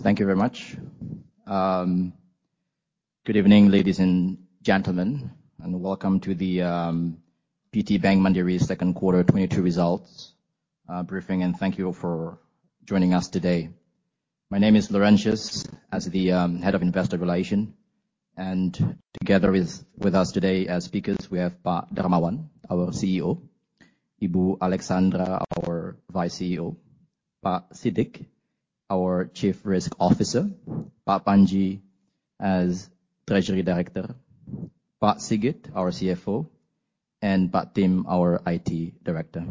Thank you very much. Good evening, ladies and gentlemen, and welcome to the PT Bank Mandiri second quarter 2022 results briefing, and thank you for joining us today. My name is Laurensius. As the head of Investor Relations, and together with us today as speakers, we have Pak Darmawan, our CEO, Ibu Alexandra Askandar, our Vice CEO, Pak Siddik, our Chief Risk Officer, Pak Panji as Treasury Director, Pak Sigit, our CFO, and Pak Tim, our IT Director.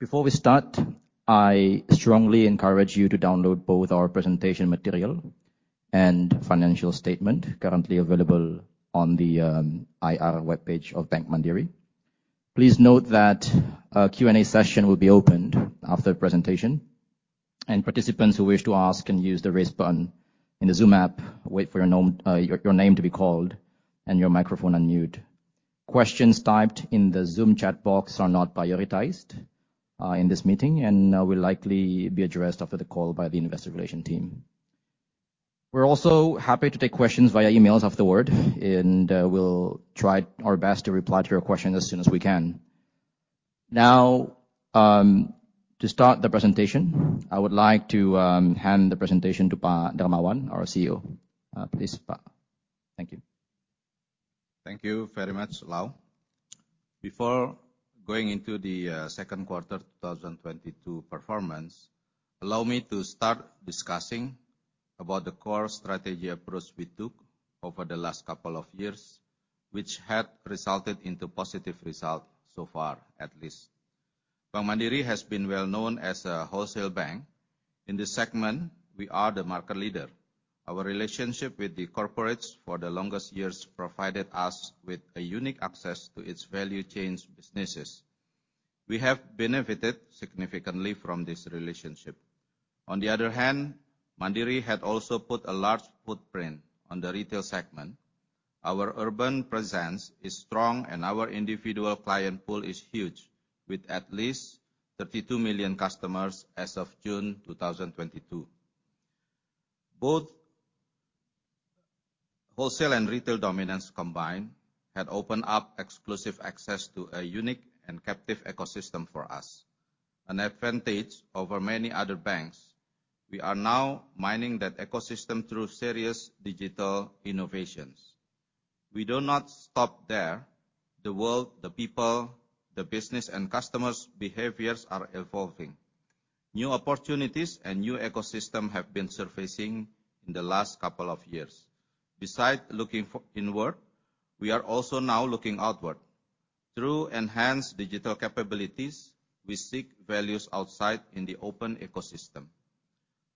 Before we start, I strongly encourage you to download both our presentation material and financial statement currently available on the IR webpage of Bank Mandiri. Please note that a Q&A session will be opened after the presentation, and participants who wish to ask can use the Raise button in the Zoom app, wait for your name to be called, and your microphone unmuted. Questions typed in the Zoom chat box are not prioritized in this meeting, and will likely be addressed after the call by the Investor Relations team. We're also happy to take questions via emails afterward, and we'll try our best to reply to your question as soon as we can. Now, to start the presentation, I would like to hand the presentation to Pak Darmawan, our CEO. Please, Pak. Thank you. Thank you very much, Lau. Before going into the second quarter 2022 performance, allow me to start discussing about the core strategy approach we took over the last couple of years, which had resulted into positive result so far, at least. Bank Mandiri has been well-known as a wholesale bank. In this segment, we are the market leader. Our relationship with the corporates for the longest years provided us with a unique access to its value chain's businesses. We have benefited significantly from this relationship. On the other hand, Mandiri had also put a large footprint on the retail segment. Our urban presence is strong, and our individual client pool is huge, with at least 32 million customers as of June 2022. Both wholesale and retail dominance combined had opened up exclusive access to a unique and captive ecosystem for us, an advantage over many other banks. We are now mining that ecosystem through serious digital innovations. We do not stop there. The world, the people, the business, and customers' behaviors are evolving. New opportunities and new ecosystem have been surfacing in the last couple of years. Besides looking for inward, we are also now looking outward. Through enhanced digital capabilities, we seek values outside in the open ecosystem.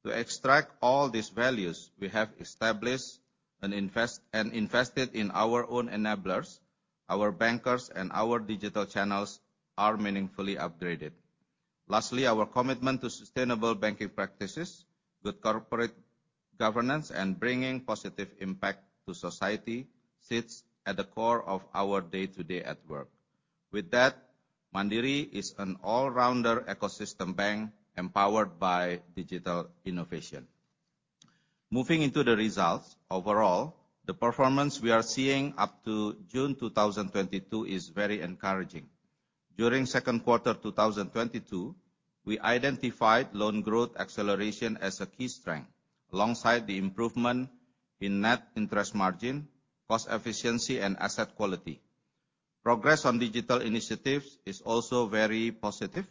To extract all these values, we have established and invested in our own enablers. Our bankers and our digital channels are meaningfully upgraded. Lastly, our commitment to sustainable banking practices, good corporate governance, and bringing positive impact to society sits at the core of our day-to-day at work. With that, Mandiri is an all-rounder ecosystem bank empowered by digital innovation. Moving into the results, overall, the performance we are seeing up to June 2022 is very encouraging. During second quarter 2022, we identified loan growth acceleration as a key strength, alongside the improvement in net interest margin, cost efficiency, and asset quality. Progress on digital initiatives is also very positive.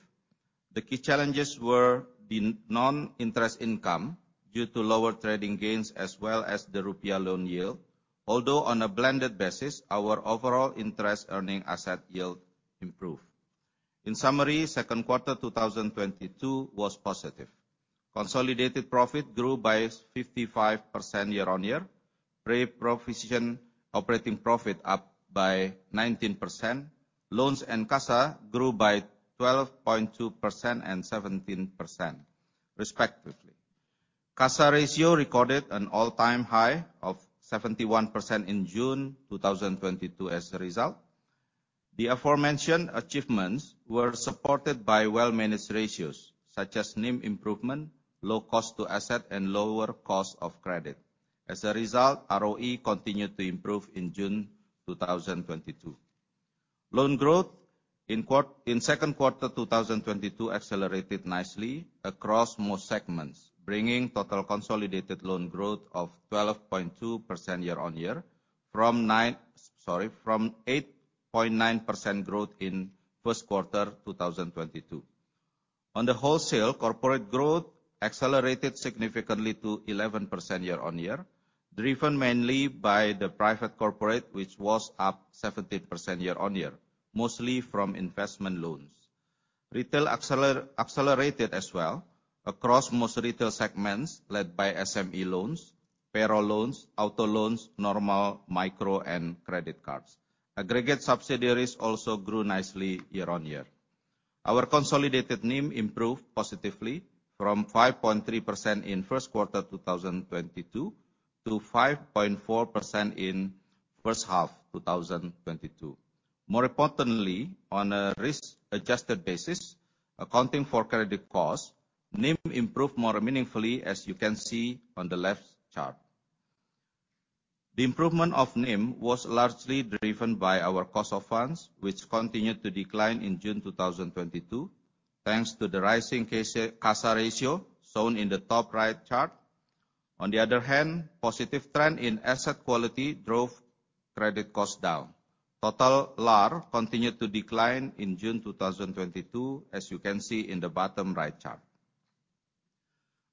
The key challenges were the non-interest income due to lower trading gains, as well as the rupiah loan yield. Although, on a blended basis, our overall interest earning asset yield improved. In summary, second quarter 2022 was positive. Consolidated profit grew by 55% year-on-year. Pre-provision operating profit up by 19%. Loans and CASA grew by 12.2% and 17% respectively. CASA ratio recorded an all-time high of 71% in June 2022 as a result. The aforementioned achievements were supported by well-managed ratios, such as NIM improvement, low cost to asset, and lower cost of credit. As a result, ROE continued to improve in June 2022. Loan growth in second quarter 2022 accelerated nicely across most segments, bringing total consolidated loan growth of 12.2% year-on-year. From 8.9% growth in first quarter 2022. On the wholesale, corporate growth accelerated significantly to 11% year-on-year, driven mainly by the private corporate, which was up 17% year-on-year, mostly from investment loans. Retail accelerated as well across most retail segments, led by SME loans, payroll loans, auto loans, normal micro, and credit cards. Aggregate subsidiaries also grew nicely year-on-year. Our consolidated NIM improved positively from 5.3% in first quarter 2022 to 5.4% in first half 2022. More importantly, on a risk adjusted basis accounting for credit costs, NIM improved more meaningfully as you can see on the left chart. The improvement of NIM was largely driven by our cost of funds, which continued to decline in June 2022, thanks to the rising CASA ratio shown in the top right chart. On the other hand, positive trend in asset quality drove credit costs down. Total LAR continued to decline in June 2022, as you can see in the bottom right chart.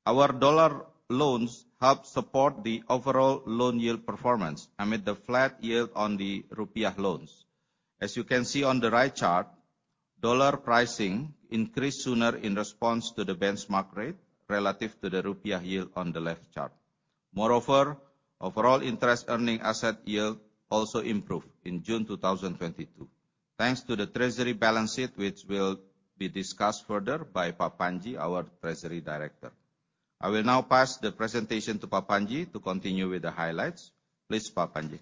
Our dollar loans help support the overall loan yield performance amid the flat yield on the rupiah loans. As you can see on the right chart, dollar pricing increased sooner in response to the benchmark rate relative to the rupiah yield on the left chart. Moreover, overall interest earning asset yield also improved in June 2022, thanks to the treasury balance sheet, which will be discussed further by Pak Panji, our treasury director. I will now pass the presentation to Pak Panji to continue with the highlights. Please, Pak Panji.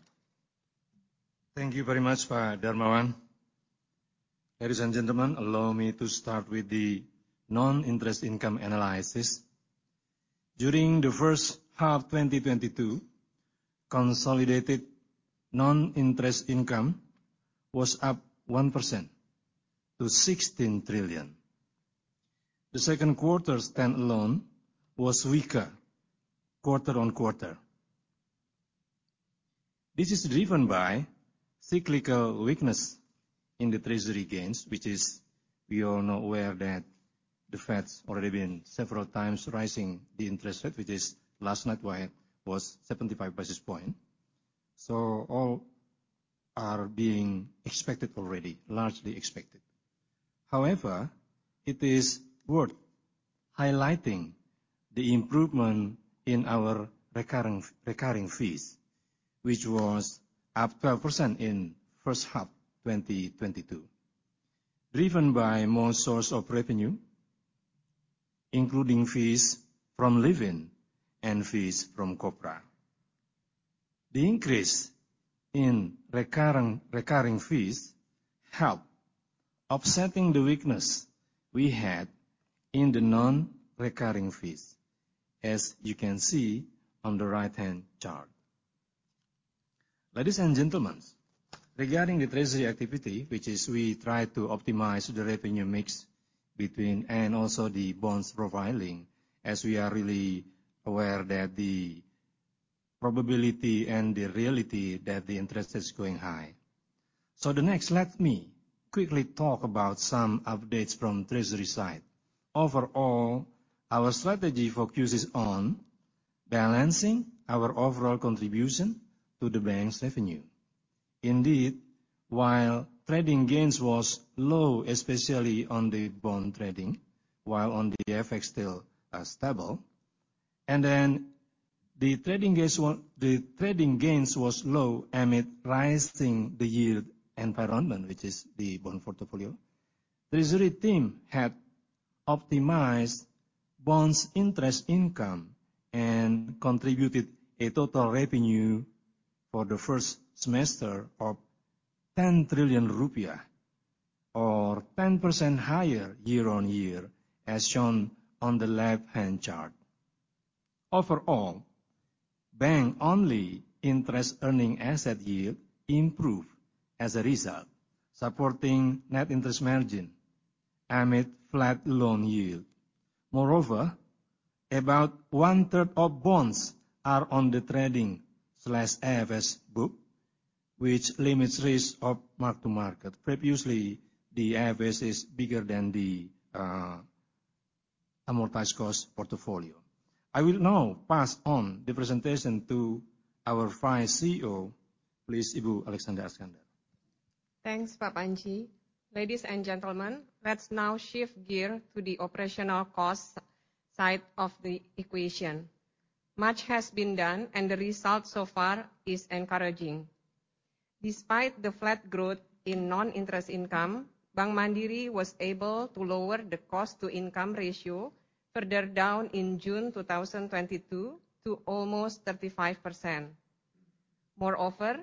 Thank you very much, Pak Darmawan. Ladies and gentlemen, allow me to start with the non-interest income analysis. During the first half 2022, consolidated non-interest income was up 1% to 16 trillion. The second quarter standalone was weaker quarter-on-quarter. This is driven by cyclical weakness in the treasury gains, which is we are now aware that the Fed's already been several times rising the interest rate, which is last night was 75 basis point. All are being expected already, largely expected. However, it is worth highlighting the improvement in our recurring fees, which was up 12% in first half 2022, driven by more source of revenue, including fees from Livin' and fees from Kopra. The increase in recurring fees help offsetting the weakness we had in the non-recurring fees, as you can see on the right-hand chart. Ladies and gentlemen, regarding the treasury activity, which is we try to optimize the revenue mix between and also the bonds profiling, as we are really aware that the probability and the reality that the interest is going high. The next, let me quickly talk about some updates from treasury side. Overall, our strategy focuses on balancing our overall contribution to the bank's revenue. Indeed, while trading gains was low, especially on the bond trading, while on the FX still stable, and then amid rising the yield environment, which is the bond portfolio. Treasury team had optimized bonds interest income and contributed a total revenue for the first semester of 10 trillion rupiah or 10% higher year-on-year, as shown on the left-hand chart. Overall, bank only interest earning asset yield improved as a result, supporting net interest margin amid flat loan yield. Moreover, about one-third of bonds are on the trading/AFS book, which limits risk of mark to market. Previously, the AFS is bigger than the amortized cost portfolio. I will now pass on the presentation to our Vice CEO, please, Ibu Alexandra Askandar. Thanks, Pak Panji. Ladies and gentlemen, let's now shift gear to the operational cost side of the equation. Much has been done, and the result so far is encouraging. Despite the flat growth in non-interest income, Bank Mandiri was able to lower the cost to income ratio further down in June 2022 to almost 35%. Moreover,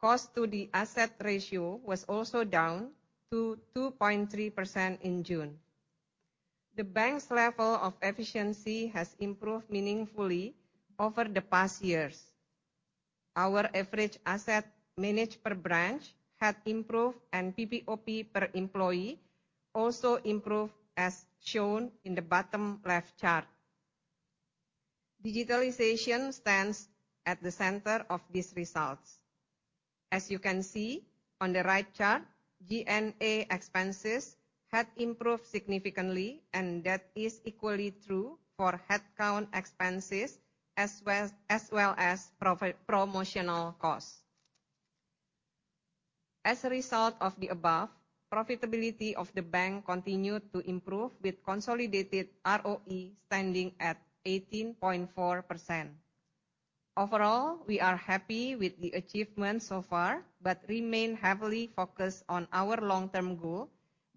cost to the asset ratio was also down to 2.3% in June. The bank's level of efficiency has improved meaningfully over the past years. Our average asset managed per branch had improved, and PPOP per employee also improved, as shown in the bottom left chart. Digitalization stands at the center of these results. As you can see on the right chart, G&A expenses had improved significantly, and that is equally true for headcount expenses, as well as promotional costs. As a result of the above, profitability of the bank continued to improve with consolidated ROE standing at 18.4%. Overall, we are happy with the achievements so far, but remain heavily focused on our long-term goal,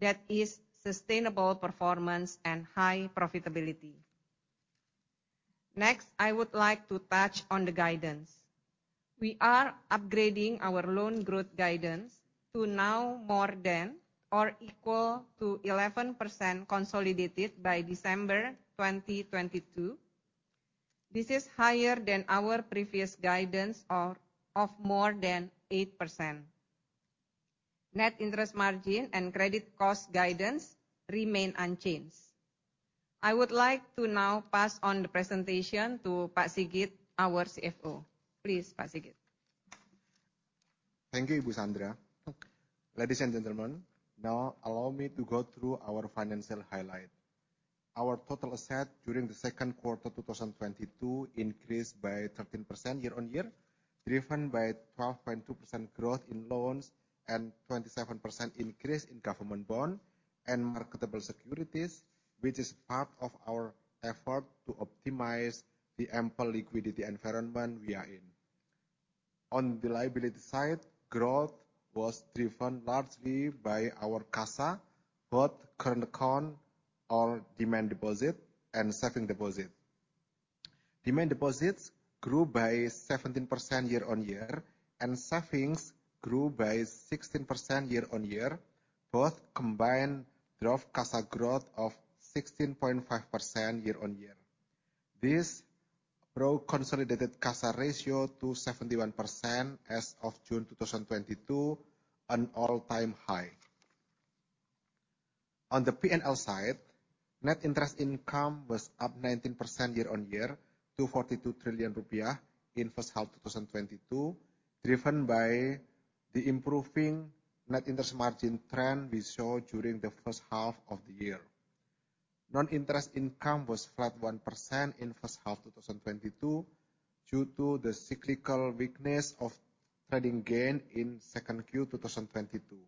that is sustainable performance and high profitability. Next, I would like to touch on the guidance. We are upgrading our loan growth guidance to now more than or equal to 11% consolidated by December 2022. This is higher than our previous guidance of more than 8%. Net interest margin and credit cost guidance remain unchanged. I would like to now pass on the presentation to Pak Sigit, our CFO. Please, Pak Sigit. Thank you, Bu Sandra. Ladies and gentlemen, now allow me to go through our financial highlight. Our total asset during the second quarter 2022 increased by 13% year-on-year, driven by 12.2% growth in loans and 27% increase in government bond and marketable securities, which is part of our effort to optimize the ample liquidity environment we are in. On the liability side, growth was driven largely by our CASA, both current account or demand deposit and savings deposit. Demand deposits grew by 17% year-on-year, and savings grew by 16% year-on-year. Both combined drove CASA growth of 16.5% year-on-year. This brought consolidated CASA ratio to 71% as of June 2022, an all-time high. On the P&L side, net interest income was up 19% year-on-year to 42 trillion rupiah in first half 2022, driven by the improving net interest margin trend we saw during the first half of the year. Non-interest income was flat 1% in first half 2022 due to the cyclical weakness of trading gain in 2Q 2022.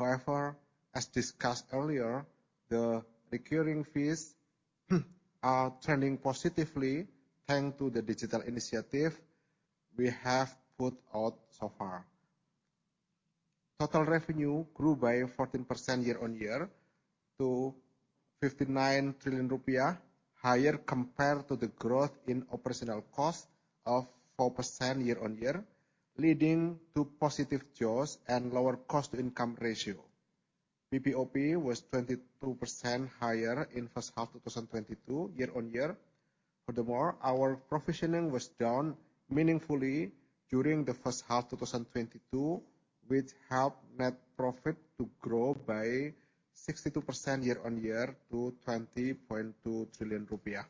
However, as discussed earlier, the recurring fees are trending positively thanks to the digital initiative we have put out so far. Total revenue grew by 14% year-on-year to 59 trillion rupiah, higher compared to the growth in operational cost of 4% year-on-year, leading to positive jaw and lower cost-to-income ratio. PPOP was 22% higher in first half 2022 year-on-year. Furthermore, our provisioning was down meaningfully during the first half 2022, which helped net profit to grow by 62% year-on-year to 20.2 trillion rupiah.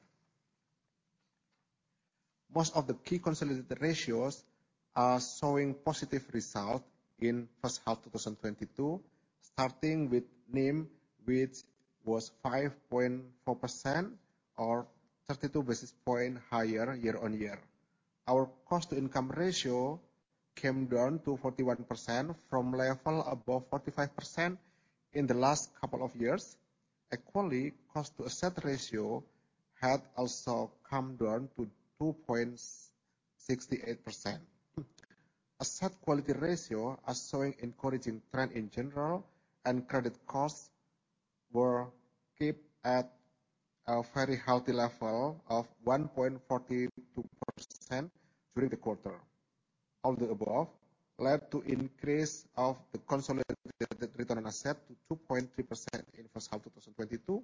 Most of the key consolidated ratios are showing positive result in first half 2022, starting with NIM, which was 5.4% or 32 basis points higher year-on-year. Our cost-to-income ratio came down to 41% from level above 45% in the last couple of years. Equally, cost to asset ratio had also come down to 2.68%. Asset quality ratio are showing encouraging trend in general, and credit costs were kept at a very healthy level of 1.42% during the quarter. All the above led to increase of the consolidated return on asset to 2.3% in first half 2022,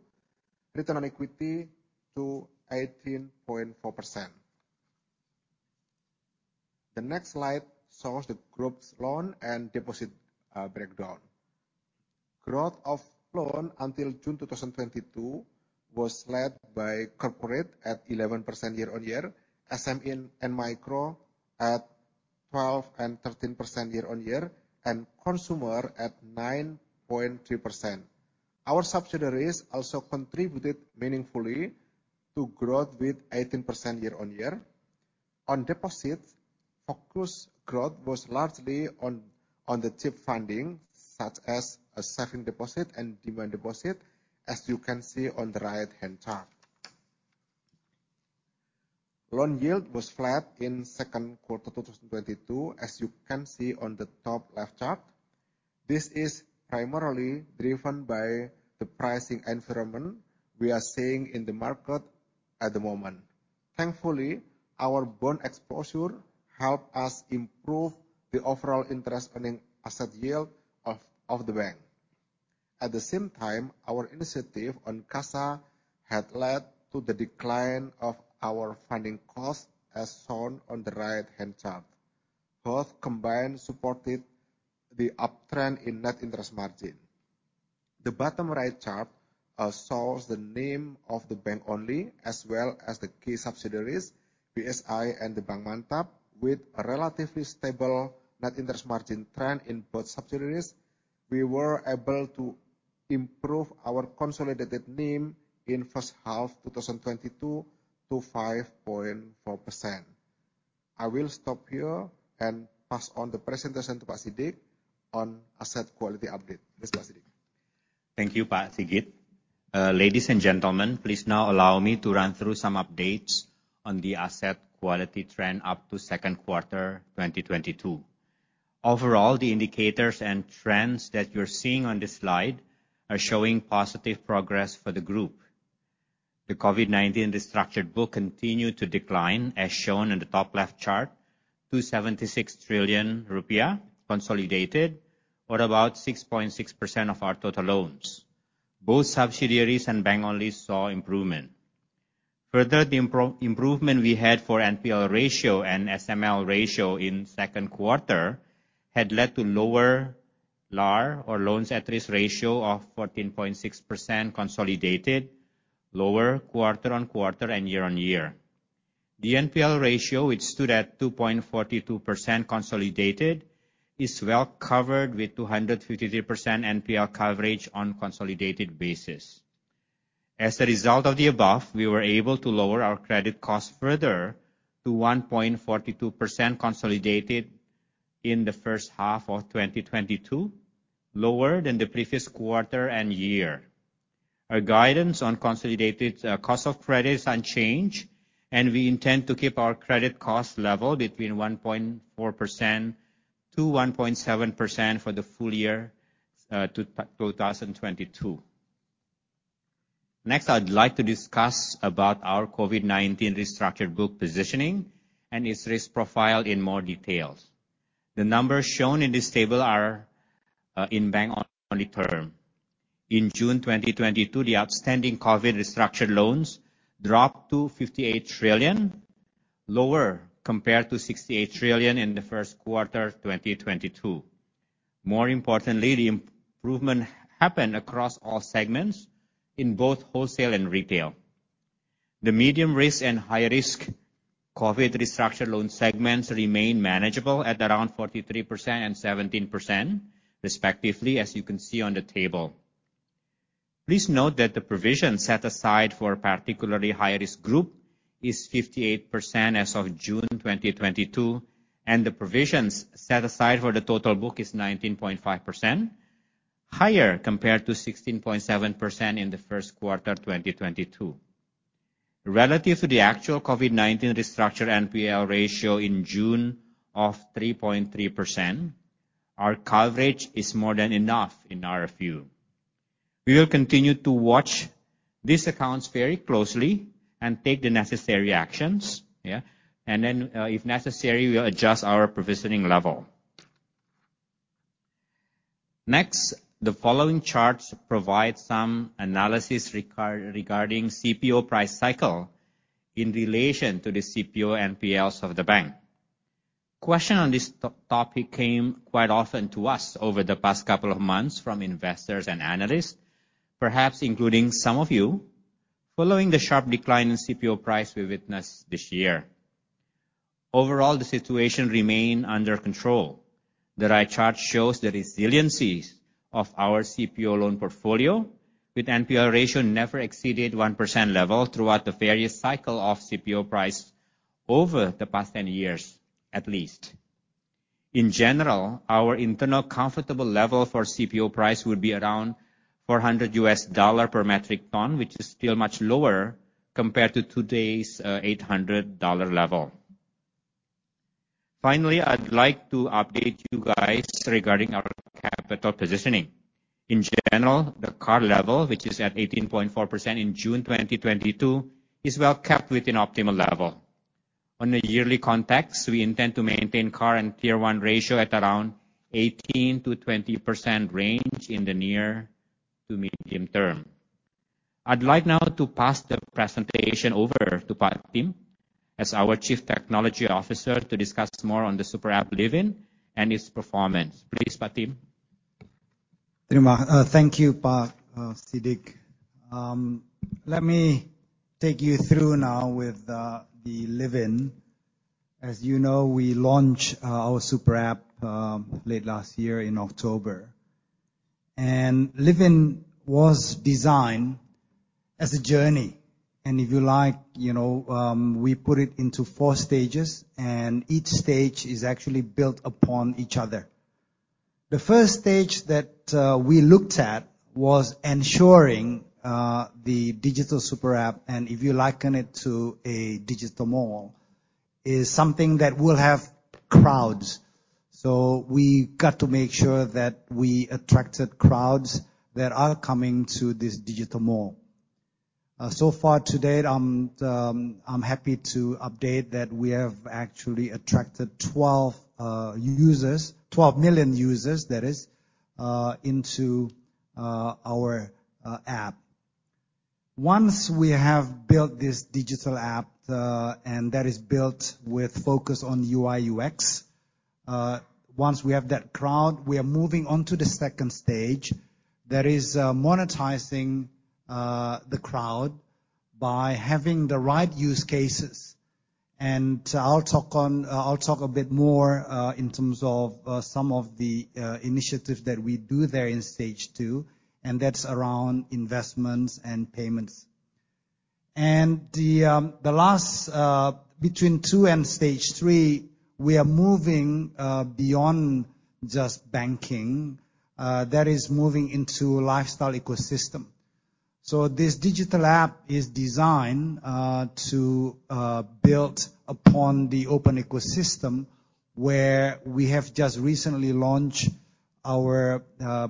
return on equity to 18.4%. The next slide shows the group's loan and deposit breakdown. Growth of loan until June 2022 was led by corporate at 11% year-on-year, SME and micro at 12% and 13% year-on-year, and consumer at 9.3%. Our subsidiaries also contributed meaningfully to growth with 18% year-on-year. On deposits, focused growth was largely on the cheap funding, such as a savings deposit and demand deposit, as you can see on the right-hand chart. Loan yield was flat in second quarter 2022, as you can see on the top left chart. This is primarily driven by the pricing environment we are seeing in the market at the moment. Thankfully, our bond exposure helped us improve the overall interest earning asset yield of the bank. At the same time, our initiative on CASA had led to the decline of our funding costs, as shown on the right-hand chart. Both combined supported the uptrend in net interest margin. The bottom right chart shows the name of the bank only as well as the key subsidiaries, BSI and the Bank Mantap with a relatively stable net interest margin trend in both subsidiaries. We were able to improve our consolidated NIM in first half 2022 to 5.4%. I will stop here and pass on the presentation to Pak Siddik on asset quality update. Please, Pak Siddik. Thank you, Pak Sigit. Ladies and gentlemen, please now allow me to run through some updates on the asset quality trend up to second quarter 2022. Overall, the indicators and trends that you're seeing on this slide are showing positive progress for the group. The COVID-19 restructured book continued to decline, as shown in the top left chart, 276 trillion rupiah consolidated, or about 6.6% of our total loans. Both subsidiaries and bank-only saw improvement. Further, the improvement we had for NPL ratio and SML ratio in second quarter had led to lower LAR, or loans at risk ratio of 14.6% consolidated, lower quarter-over-quarter and year-over-year. The NPL ratio, which stood at 2.42% consolidated, is well covered with 253% NPL coverage on consolidated basis. As a result of the above, we were able to lower our credit costs further to 1.42% consolidated in the first half of 2022, lower than the previous quarter and year. Our guidance on consolidated cost of credit is unchanged, and we intend to keep our credit costs level between 1.4%-1.7% for the full year 2022. Next, I'd like to discuss about our COVID-19 restructured group positioning and its risk profile in more details. The numbers shown in this table are in bank-only term. In June 2022, the outstanding COVID restructured loans dropped to 58 trillion, lower compared to 68 trillion in the first quarter 2022. More importantly, the improvement happened across all segments in both wholesale and retail. The medium risk and high risk COVID restructure loan segments remain manageable at around 43% and 17% respectively, as you can see on the table. Please note that the provisions set aside for a particularly high risk group is 58% as of June 2022, and the provisions set aside for the total book is 19.5%, higher compared to 16.7% in the first quarter 2022. Relative to the actual COVID-19 restructure NPL ratio in June of 3.3%, our coverage is more than enough in our view. We will continue to watch these accounts very closely and take the necessary actions. If necessary, we'll adjust our provisioning level. Next, the following charts provide some analysis regarding CPO price cycle in relation to the CPO NPLs of the bank. Question on this top-topic came quite often to us over the past couple of months from investors and analysts, perhaps including some of you, following the sharp decline in CPO price we witnessed this year. Overall, the situation remain under control. The right chart shows the resiliencies of our CPO loan portfolio, with NPL ratio never exceeded 1% level throughout the various cycle of CPO price over the past 10 years, at least. In general, our internal comfortable level for CPO price would be around $400 per metric ton, which is still much lower compared to today's $800 level. Finally, I'd like to update you guys regarding our capital positioning. In general, the CAR level, which is at 18.4% in June 2022, is well kept within optimal level. On a yearly context, we intend to maintain CAR and Tier I ratio at around 18%-20% range in the near to medium term. I'd like now to pass the presentation over to Pak Tim as our chief technology officer to discuss more on the superapp Livin' and its performance. Please, Pak Tim. Thank you, Pak Siddik. Let me take you through now with the Livin'. As you know, we launched our superapp late last year in October. Livin' was designed as a journey. If you like, you know, we put it into four stages, and each stage is actually built upon each other. The first stage that we looked at was ensuring the digital superapp, and if you liken it to a digital mall, is something that will have crowds. We got to make sure that we attracted crowds that are coming to this digital mall. So far to date, I'm happy to update that we have actually attracted 12 million users, that is, into our app. Once we have built this digital app, and that is built with focus on UI/UX, once we have that crowd, we are moving on to the second stage. That is, monetizing the crowd by having the right use cases. I'll talk a bit more in terms of some of the initiatives that we do there in stage two, and that's around investments and payments. Between two and stage three, we are moving beyond just banking. That is moving into lifestyle ecosystem. This digital app is designed to build upon the open ecosystem where we have just recently launched our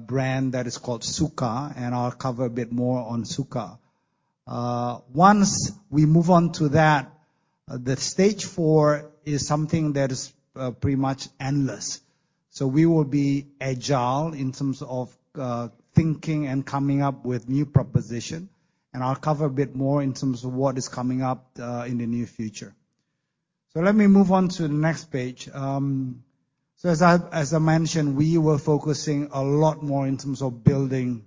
brand that is called Sukha, and I'll cover a bit more on Sukha. Once we move on to that, the stage four is something that is pretty much endless. We will be agile in terms of thinking and coming up with new proposition, and I'll cover a bit more in terms of what is coming up in the near future. Let me move on to the next page. As I mentioned, we were focusing a lot more in terms of building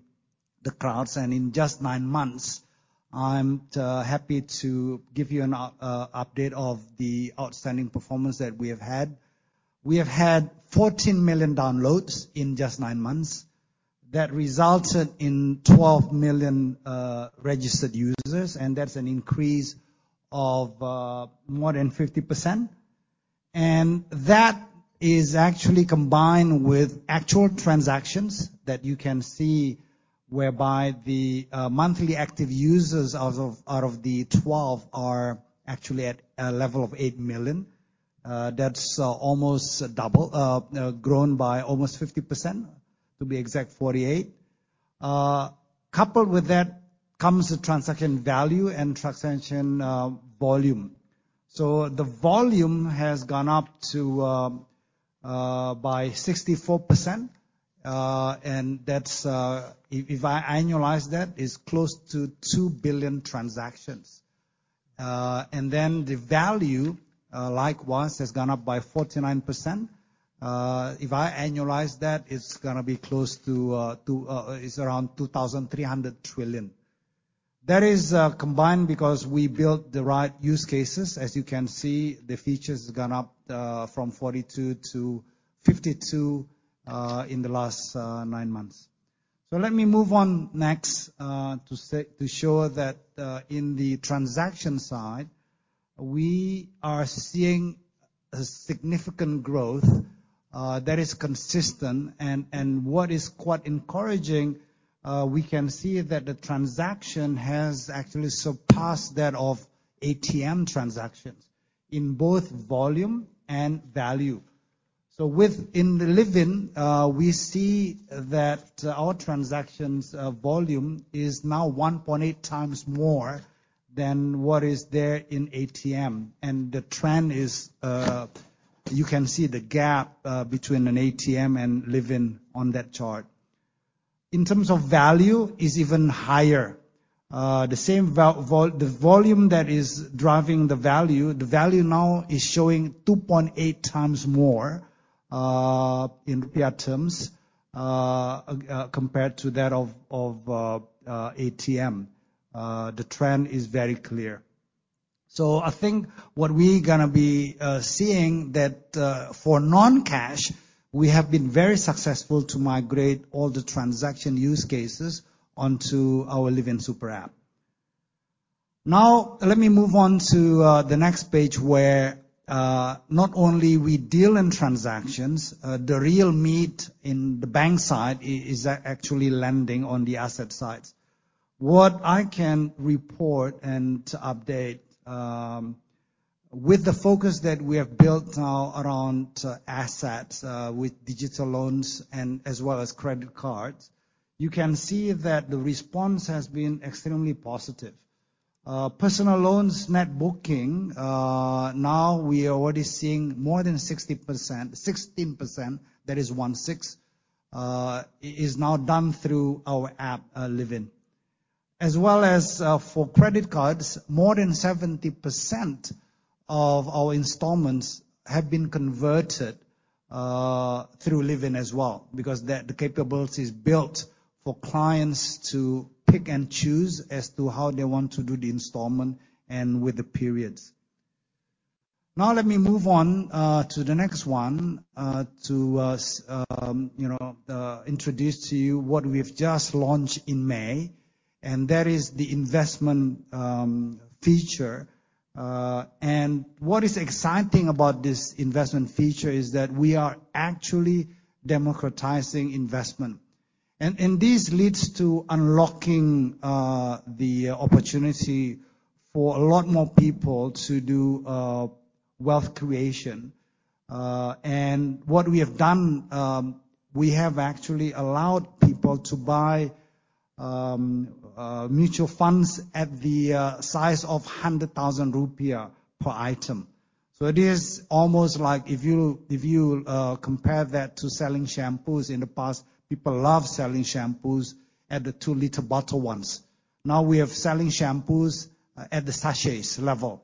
the crowds. In just 9 months, I'm happy to give you an update of the outstanding performance that we have had. We have had 14 million downloads in just 9 months. That resulted in 12 million registered users, and that's an increase of more than 50%. That is actually combined with actual transactions that you can see, whereby the monthly active users out of the twelve are actually at a level of 8 million. That's almost double grown by almost 50%, to be exact 48%. Coupled with that comes the transaction value and transaction volume. The volume has gone up by 64%, and that's if I annualize that, it's close to 2 billion transactions. And then the value likewise has gone up by 49%. If I annualize that, it's gonna be close to two. It's around 2,300 trillion. That is combined because we built the right use cases. As you can see, the features have gone up from 42-52 in the last 9 months. Let me move on next to show that in the transaction side, we are seeing a significant growth that is consistent. And what is quite encouraging, we can see that the transaction has actually surpassed that of ATM transactions in both volume and value. In the Livin', we see that our transactions volume is now 1.8 times more than what is there in ATM. And the trend is, you can see the gap between an ATM and Livin' On that chart. In terms of value, is even higher. The volume that is driving the value, the value now is showing 2.8 times more in rupiah terms compared to that of ATM. The trend is very clear. I think what we're gonna be seeing that for non-cash, we have been very successful to migrate all the transaction use cases onto our Livin' super app. Now, let me move on to the next page where not only we deal in transactions, the real meat in the bank side is actually lending on the asset side. What I can report and to update with the focus that we have built now around assets with digital loans and as well as credit cards, you can see that the response has been extremely positive. Personal loans net booking now we are already seeing more than 60%. 16%, that is 16, is now done through our app, Livin'. As well as for credit cards, more than 70% of our installments have been converted through Livin' as well, because the capability is built for clients to pick and choose as to how they want to do the installment and with the periods. Now let me move on to the next one to introduce to you what we've just launched in May, and that is the investment feature. What is exciting about this investment feature is that we are actually democratizing investment. This leads to unlocking the opportunity for a lot more people to do wealth creation. What we have done, we have actually allowed people to buy mutual funds at the size of 100,000 rupiah per item. It is almost like if you compare that to selling shampoos in the past, people love selling shampoos at the 2-liter bottle ones. Now we are selling shampoos at the sachets level.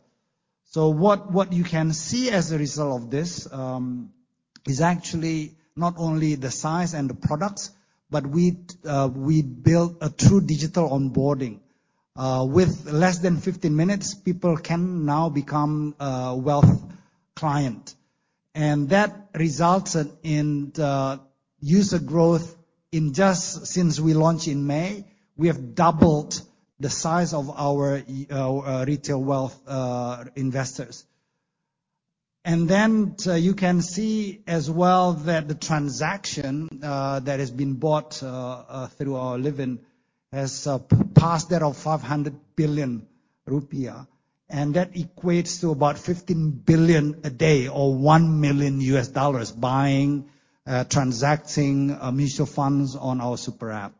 What you can see as a result of this is actually not only the size and the products, but we built a true digital onboarding. With less than 15 minutes, people can now become wealth client. That resulted in the user growth in just since we launched in May, we have doubled the size of our retail wealth investors. You can see as well that the transaction that has been bought through our Livin' has passed that of 500 billion rupiah. That equates to about 15 billion a day or $1 million buying, transacting, mutual funds on our super app.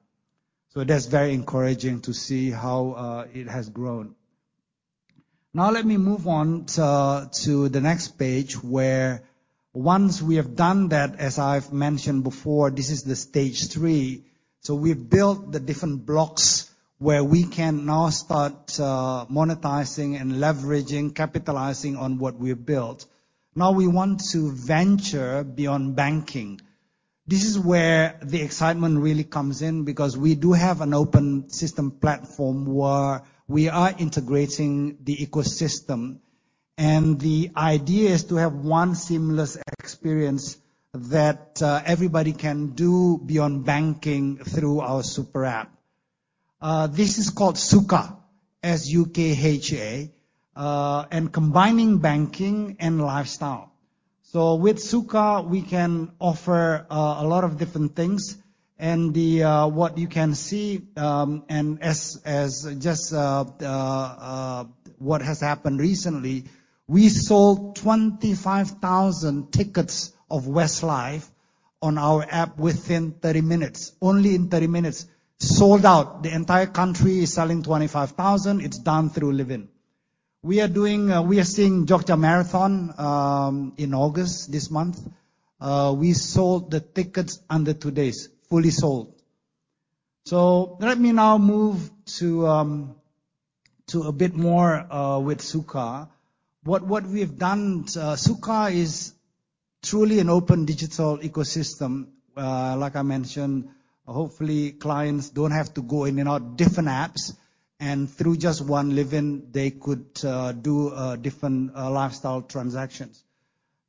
That's very encouraging to see how it has grown. Now let me move on to the next page, where once we have done that, as I've mentioned before, this is the stage three. We've built the different blocks where we can now start monetizing and leveraging, capitalizing on what we have built. Now we want to venture beyond banking. This is where the excitement really comes in because we do have an open system platform where we are integrating the ecosystem. The idea is to have one seamless experience that everybody can do beyond banking through our super app. This is called Sukha, S-U-K-H-A, and combining banking and lifestyle. With Sukha, we can offer a lot of different things and the what you can see and as just what has happened recently, we sold 25,000 tickets of Westlife on our app within 30 minutes. Only in 30 minutes, sold out. The entire country is selling 25,000. It's done through Livin'. We are doing we are seeing Jogja Marathon in August this month. We sold the tickets under 2 days, fully sold. Let me now move to to a bit more with Sukha. What we have done, Sukha is truly an open digital ecosystem. Like I mentioned, hopefully clients don't have to go in and out different apps, and through just one Livin', they could do different lifestyle transactions.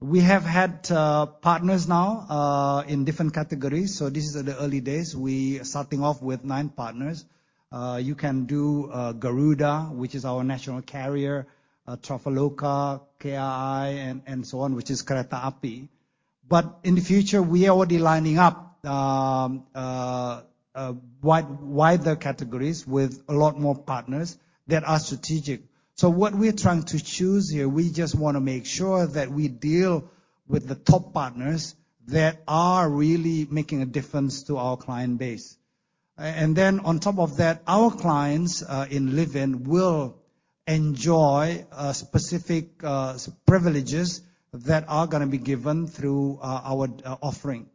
We have had partners now in different categories, so this is the early days. We are starting off with 9 partners. You can do Garuda, which is our national carrier, Traveloka, KAI and so on, which is Kereta Api. In the future, we are already lining up wider categories with a lot more partners that are strategic. What we're trying to choose here, we just wanna make sure that we deal with the top partners that are really making a difference to our client base. Then on top of that, our clients in Livin' will enjoy specific privileges that are gonna be given through our offering.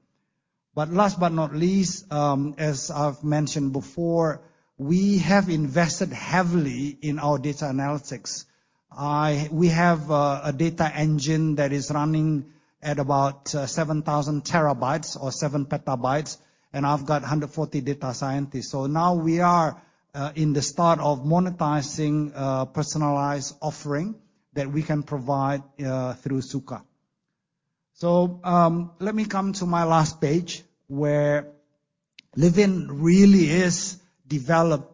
Last but not least, as I've mentioned before, we have invested heavily in our data analytics. We have a data engine that is running at about 7,000 TB or 7 PB, and I've got 140 data scientists. Now we are in the start of monetizing a personalized offering that we can provide through Sukha. Let me come to my last page, where Livin' really is developed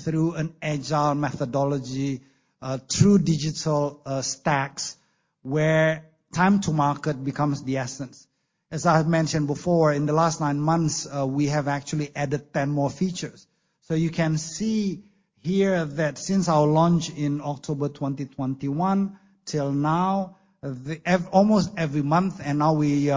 through an agile methodology through digital stacks, where time to market becomes the essence. As I have mentioned before, in the last 9 months, we have actually added 10 more features. You can see here that since our launch in October 2021 till now, almost every month, and now we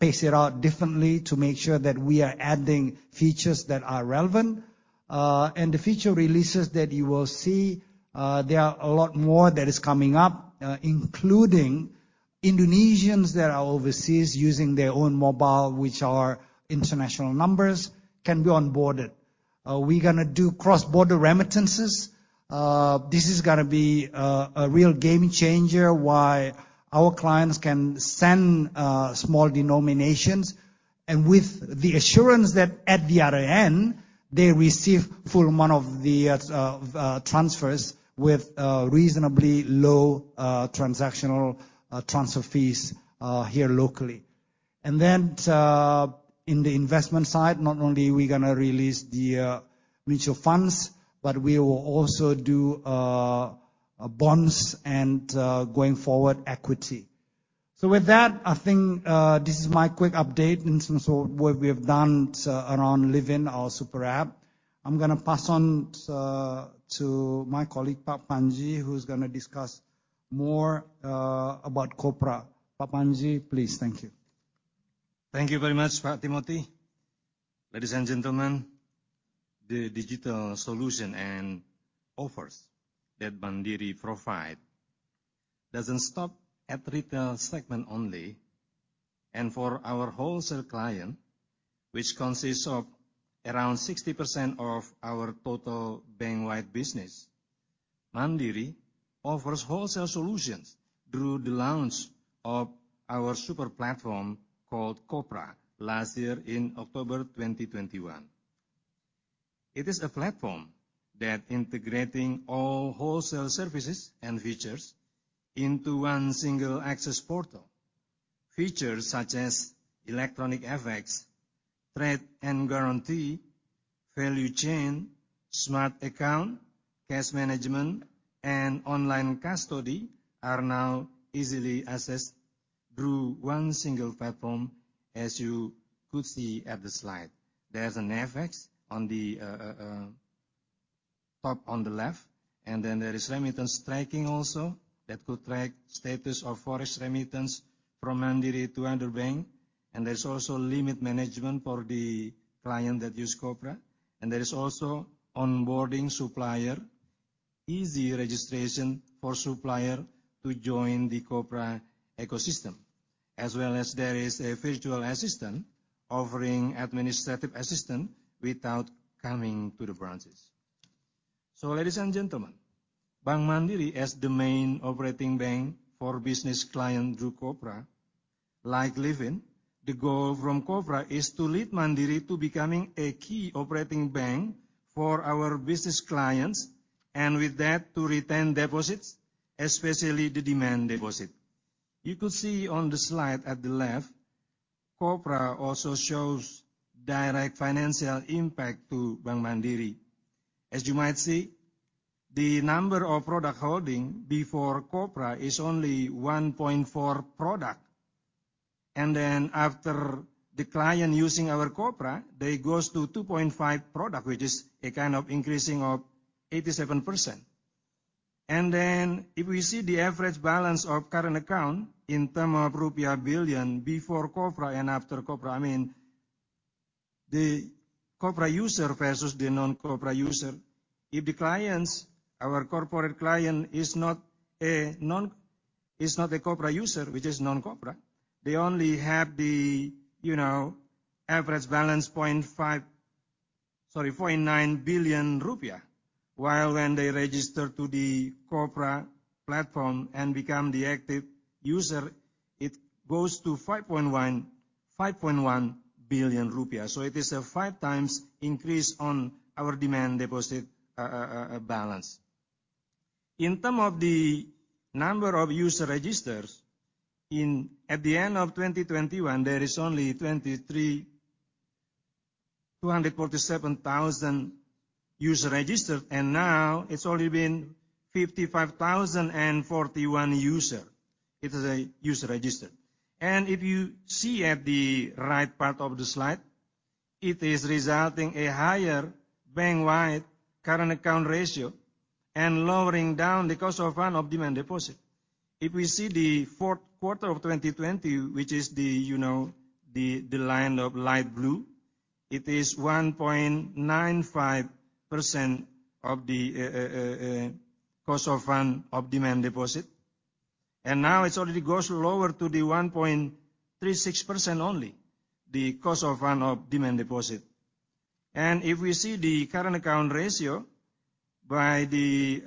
pace it out differently to make sure that we are adding features that are relevant. The feature releases that you will see, there are a lot more that is coming up, including Indonesians that are overseas using their own mobile, which are international numbers, can be onboarded. We're gonna do cross-border remittances. This is gonna be a real game changer, where our clients can send small denominations and with the assurance that at the other end, they receive full amount of the transfers with reasonably low transactional transfer fees here locally. In the investment side, not only are we gonna release the mutual funds, but we will also do bonds and, going forward, equity. With that, I think this is my quick update in terms of what we have done around Livin', our super app. I'm gonna pass on to my colleague, Pak Panji, who's gonna discuss more about Kopra. Pak Panji, please. Thank you. Thank you very much, Pak Tim. Ladies and gentlemen, the digital solution and offers that Mandiri provide doesn't stop at retail segment only. For our wholesale client, which consists of around 60% of our total bank-wide business, Mandiri offers wholesale solutions through the launch of our super platform called Kopra last year in October 2021. It is a platform that integrating all wholesale services and features into one single access portal. Features such as eFX, trade and guarantee, value chain, smart account, cash management, and online custody are now easily accessed through one single platform, as you could see at the slide. There's an FX on the top on the left, and then there is remittance tracking also that could track status of FX remittance from Mandiri to another bank. There's also limit management for the client that use Kopra. There is also onboarding supplier, easy registration for supplier to join the Kopra ecosystem, as well as there is a virtual assistant offering administrative assistant without coming to the branches. Ladies and gentlemen, Bank Mandiri, as the main operating bank for business client through Kopra, like Livin', the goal from Kopra is to lead Mandiri to becoming a key operating bank for our business clients, and with that, to retain deposits, especially the demand deposit. You could see on the slide at the left, Kopra also shows direct financial impact to Bank Mandiri. As you might see, the number of product holding before Kopra is only 1.4 product. Then after the client using our Kopra, that goes to 2.5 product, which is a kind of increasing of 87%. If we see the average balance of current account in terms of rupiah billion before Kopra and after Kopra, I mean, the Kopra user versus the non-Kopra user, if the clients, our corporate client is not a Kopra user, which is non-Kopra, they only have the, you know, average balance 49 billion rupiah. While when they register to the Kopra platform and become the active user, it goes to 5.1 billion rupiah. It is a five times increase on our demand deposit balance. In terms of the number of user registers, at the end of 2021, there is only 23,247 user registered, and now it's already been 55,041 user. It is a user registered. If you see at the right part of the slide, it is resulting a higher bank-wide current account ratio and lowering down the cost of fund of demand deposit. If we see the fourth quarter of 2020, which is the line of light blue, it is 1.95% of the cost of fund of demand deposit. Now it already goes lower to the 1.36% only, the cost of fund of demand deposit. If we see the current account ratio by the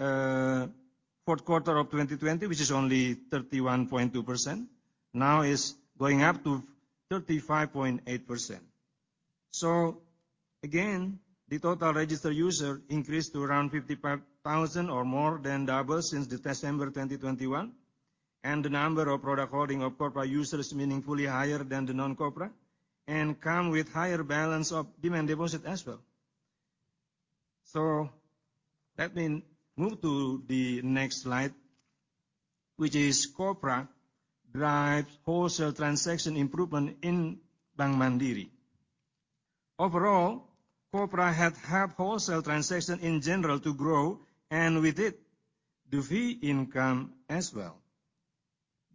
fourth quarter of 2020, which is only 31.2%, now it's going up to 35.8%. Again, the total registered user increased to around 55,000 or more than double since the December 2021. The number of product holding of Kopra users meaningfully higher than the non-Kopra and come with higher balance of demand deposit as well. Let me move to the next slide, which is Kopra drives wholesale transaction improvement in Bank Mandiri. Overall, Kopra had helped wholesale transaction in general to grow, and with it, the fee income as well.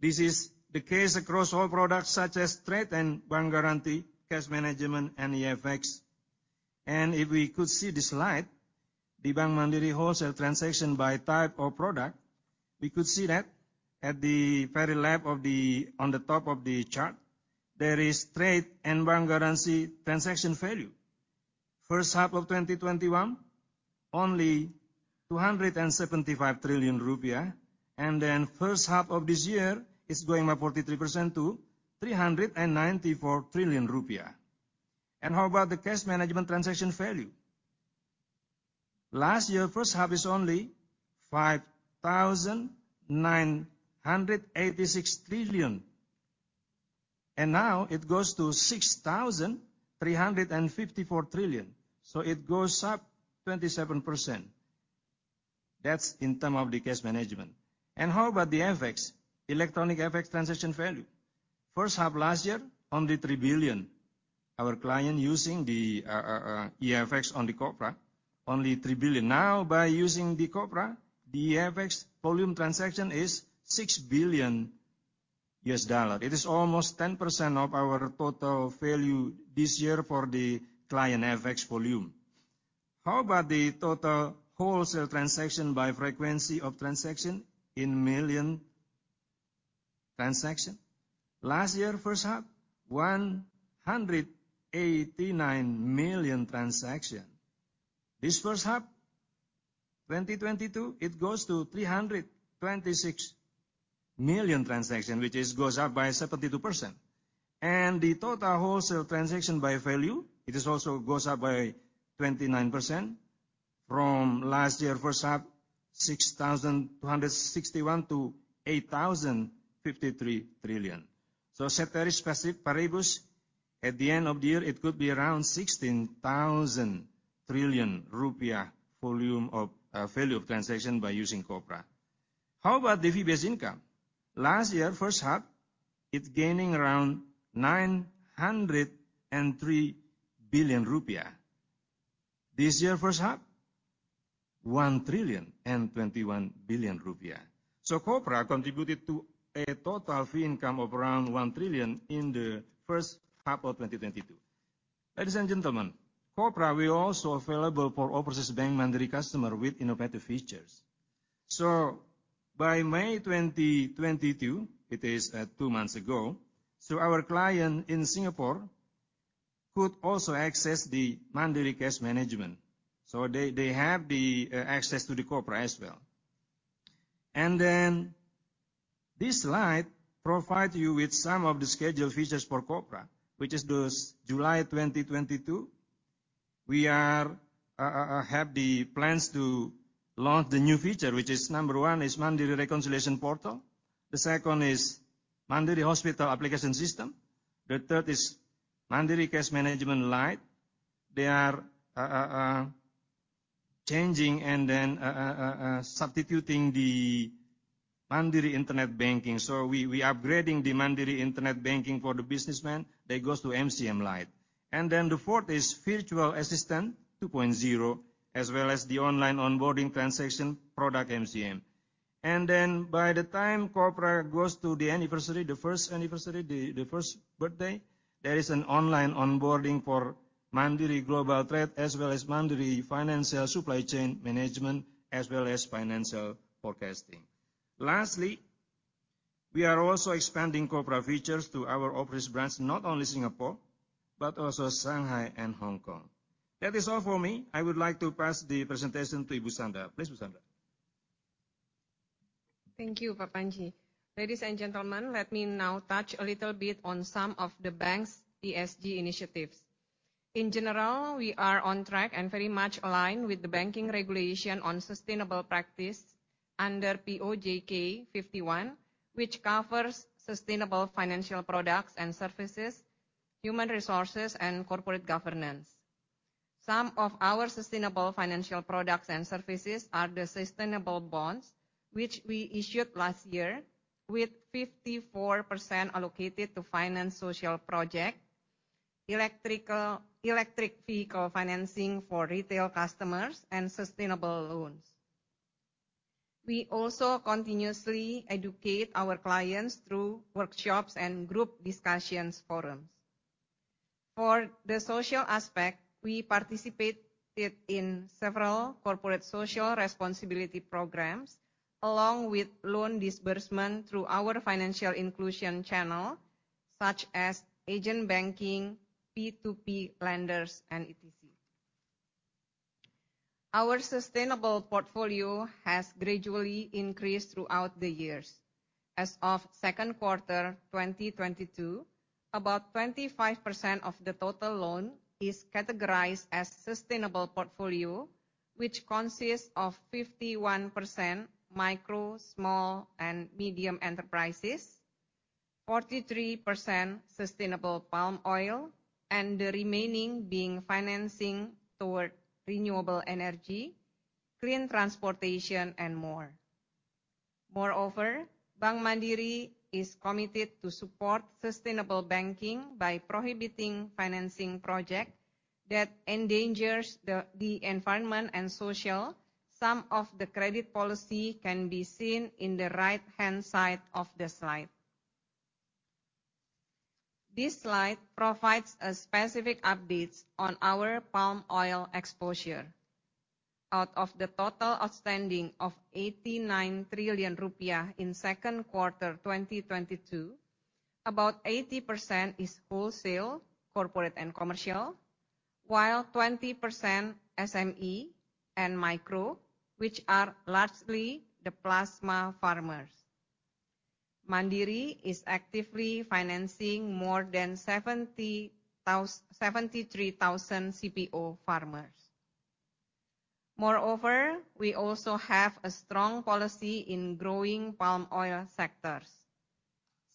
This is the case across all products such as trade and bank guarantee, cash management, and eFX. If we could see the slide, the Bank Mandiri wholesale transaction by type of product, we could see that at the very left of the, on the top of the chart, there is trade and bank guarantee transaction value. First half of 2021, only 275 trillion rupiah, and then first half of this year, it's going up 43% to 394 trillion rupiah. How about the cash management transaction value? Last year, first half is only 5,986 trillion, and now it goes to 6,354 trillion. It goes up 27%. That's in term of the cash management. How about the FX, electronic FX transaction value? First half last year, only $3 billion. Our client using the eFX on the Kopra, only $3 billion. Now by using the Kopra, the FX volume transaction is $6 billion. It is almost 10% of our total value this year for the client FX volume. How about the total wholesale transaction by frequency of transaction in million transaction? Last year, first half, 189 million transaction. This first half, 2022, it goes to 326 million transaction, which is goes up by 72%. The total wholesale transaction by value, it is also goes up by 29%. From last year first half, 6,261 trillion-8,053 trillion. So at the end of the year, it could be around 16,000 trillion rupiah volume of value transaction by using Kopra. How about the fee-based income? Last year, first half, it's gaining around 903 billion rupiah. This year, first half, 1 trillion and 21 billion rupiah. So Kopra contributed to a total fee income of around 1 trillion in the first half of 2022. Ladies and gentlemen, Kopra will also available for overseas bank Mandiri customer with innovative features. So by May 2022, that is at two months ago, so our client in Singapore could also access the Mandiri Cash Management. So they have the access to the Kopra as well. And then, this slide provides you with some of the scheduled features for Kopra, which is the July 2022. We have the plans to launch the new feature, which is number one is Mandiri reconciliation portal. The second is Mandiri hospital application system. The third is, Mandiri Risk Management Lite. They are changing and then substiting the Mandiri online banking. So we are upgrading the Mandiri Internet Banking for the speciment so they can go live. He fourth is virtual assistance which is 2.0, as well as the an online onboarding for Mandiri Global Trade as well as Mandiri Financial Supply Chain Management as well as financial forecasting. Lastly, we are also expanding corporate features to our office branch not only Singapore, but also Shanghai and Hong Kong. That is all for me. I would like to pass the presentation to Ibu Sandra. Please, Ibu Sandra. Thank you, Pak Panji. Ladies and gentlemen, let me now touch a little bit on some of the bank's ESG initiatives. In general, we are on track and very much aligned with the banking regulation on sustainable practice under POJK 51, which covers sustainable financial products and services, human resources, and corporate governance. Some of our sustainable financial products and services are the sustainable bonds, which we issued last year with 54% allocated to finance social project, electric vehicle financing for retail customers, and sustainable loans. We also continuously educate our clients through workshops and group discussions forums. For the social aspect, we participated in several corporate social responsibility programs, along with loan disbursement through our financial inclusion channel, such as agent banking, P2P lenders, and etc. Our sustainable portfolio has gradually increased throughout the years. As of second quarter, 2022, about 25% of the total loan is categorized as sustainable portfolio, which consists of 51% micro, small, and medium enterprises, 43% sustainable palm oil, and the remaining being financing toward renewable energy, clean transportation, and more. Moreover, Bank Mandiri is committed to support sustainable banking by prohibiting financing project that endangers the environment and social. Some of the credit policy can be seen in the right-hand side of the slide. This slide provides a specific update on our palm oil exposure. Out of the total outstanding of 89 trillion rupiah in second quarter, 2022, about 80% is wholesale, corporate and commercial, while 20% SME and micro, which are largely the plasma farmers. Mandiri is actively financing more than 73,000 CPO farmers. Moreover, we also have a strong policy in growing palm oil sectors.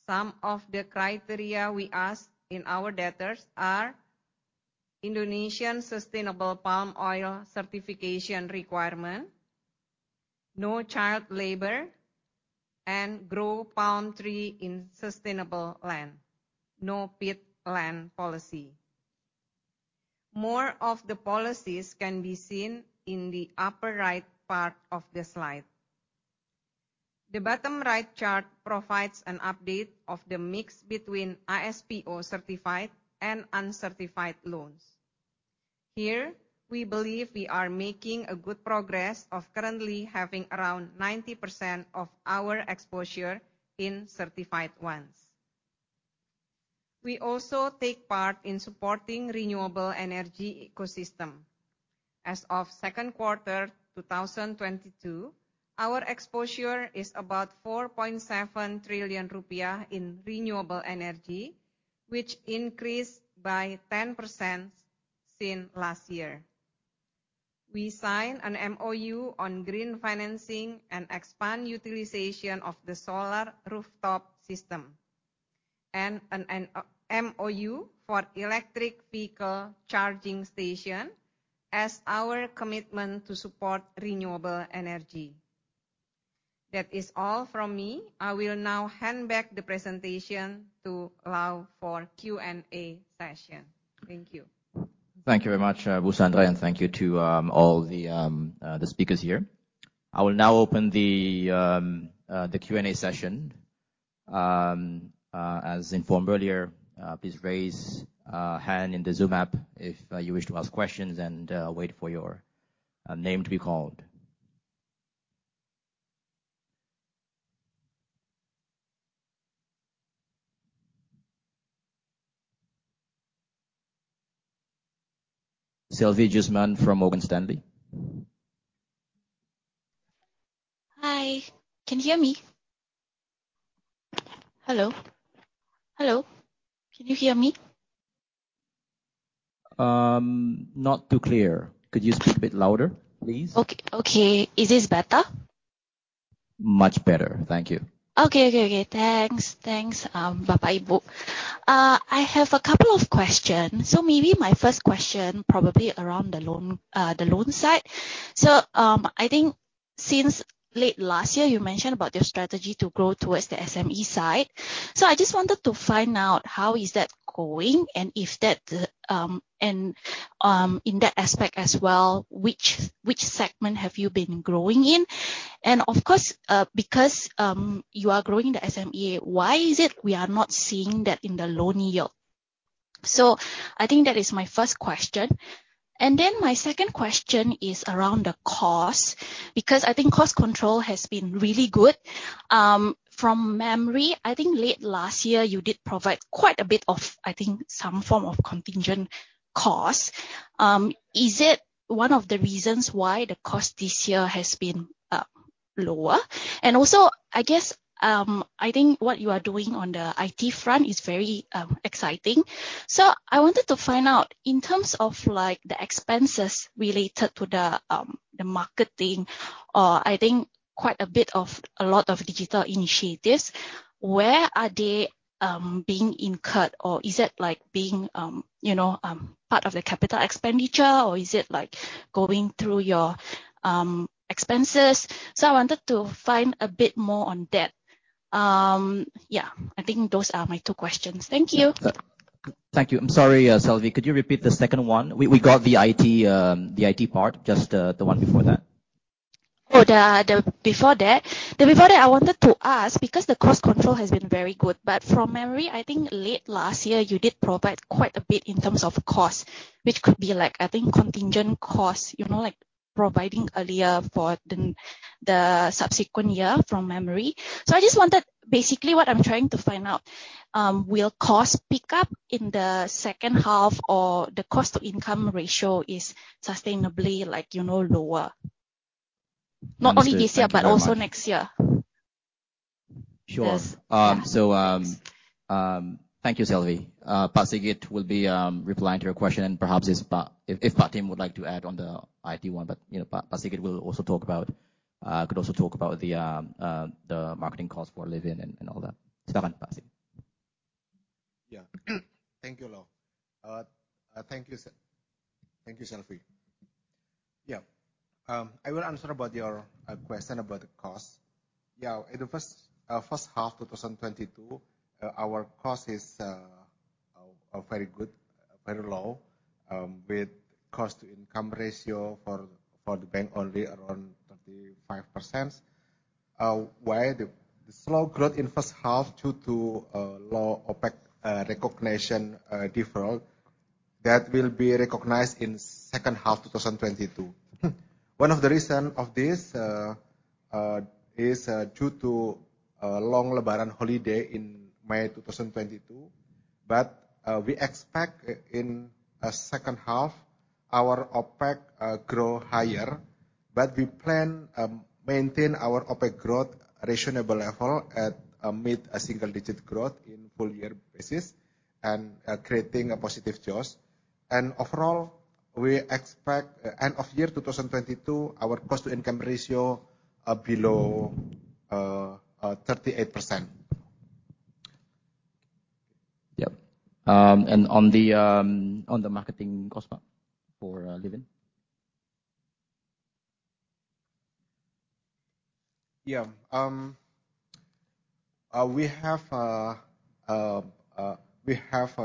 Some of the criteria we ask in our debtors are Indonesian sustainable palm oil certification requirement, no child labor, and grow palm tree in sustainable land, no peat land policy. More of the policies can be seen in the upper right part of the slide. The bottom right chart provides an update of the mix between ISPO certified and uncertified loans. Here, we believe we are making a good progress of currently having around 90% of our exposure in certified ones. We also take part in supporting renewable energy ecosystem. As of second quarter 2022, our exposure is about 4.7 trillion rupiah in renewable energy, which increased by 10% since last year. We sign an MOU on green financing and expand utilization of the solar rooftop system, and an MOU for electric vehicle charging station as our commitment to support renewable energy. That is all from me. I will now hand back the presentation to allow for Q&A session. Thank you. Thank you very much, Bu Sandra, and thank you to all the speakers here. I will now open the Q&A session. As informed earlier, please raise hand in the Zoom app if you wish to ask questions, and wait for your name to be called. Selvie Jusman from Morgan Stanley. Hi. Can you hear me? Hello? Hello? Can you hear me? Not too clear. Could you speak a bit louder, please? Okay. Is this better? Much better. Thank you. Okay. Thanks, Bapak, Ibu. I have a couple of questions. Maybe my first question, probably around the loan, the loan side. I think since late last year, you mentioned about your strategy to grow towards the SME side. I just wanted to find out how is that going, and in that aspect as well, which segment have you been growing in? Of course, because you are growing the SME, why is it we are not seeing that in the loan yield? I think that is my first question. My second question is around the cost, because I think cost control has been really good. From memory, I think late last year you did provide quite a bit of, I think, some form of contingent cost. Is it one of the reasons why the cost this year has been lower? Also, I guess, I think what you are doing on the IT front is very exciting. I wanted to find out, in terms of, like, the expenses related to the marketing, or I think quite a lot of digital initiatives, where are they being incurred? Or is it, like, being, you know, part of the capital expenditure? Or is it, like, going through your expenses? I wanted to find a bit more on that. Yeah, I think those are my two questions. Thank you. Thank you. I'm sorry, Selvie, could you repeat the second one? We got the IT part. Just the one before that. Before that I wanted to ask, because the cost control has been very good, but from memory, I think late last year you did provide quite a bit in terms of cost, which could be like, I think, contingent costs, you know, like providing earlier for the subsequent year, from memory. I just wondered, basically, what I'm trying to find out, will costs pick up in the second half or the cost-to-income ratio is sustainably, like, you know, lower? Understood. Thank you very much. Not only this year, but also next year. Sure. Yes. Thank you, Selvie. Pak Sigit will be replying to your question, and perhaps if Pak Tim would like to add on the IT one. You know, Pak Sigit could also talk about the marketing cost for Livin' and all that. Silakan, Pak Sigit. Thank you, Lau. Thank you, Selvie. I will answer about your question about the cost. In the first half 2022, our cost is very good, very low, with cost-to-income ratio for the bank only around 35%. While the slow growth in first half due to low OPEX recognition deferral that will be recognized in second half 2022. One of the reason of this is due to a long Lebaran holiday in May 2022. We expect in second half our OPEX grow higher. We plan maintain our OPEX growth reasonable level at mid-single digit growth in full year basis, and creating a positive jaw. Overall, we expect end of year 2022 our cost-to-income ratio below 38%. Yep. On the marketing cost, Pak, for Livin'? We have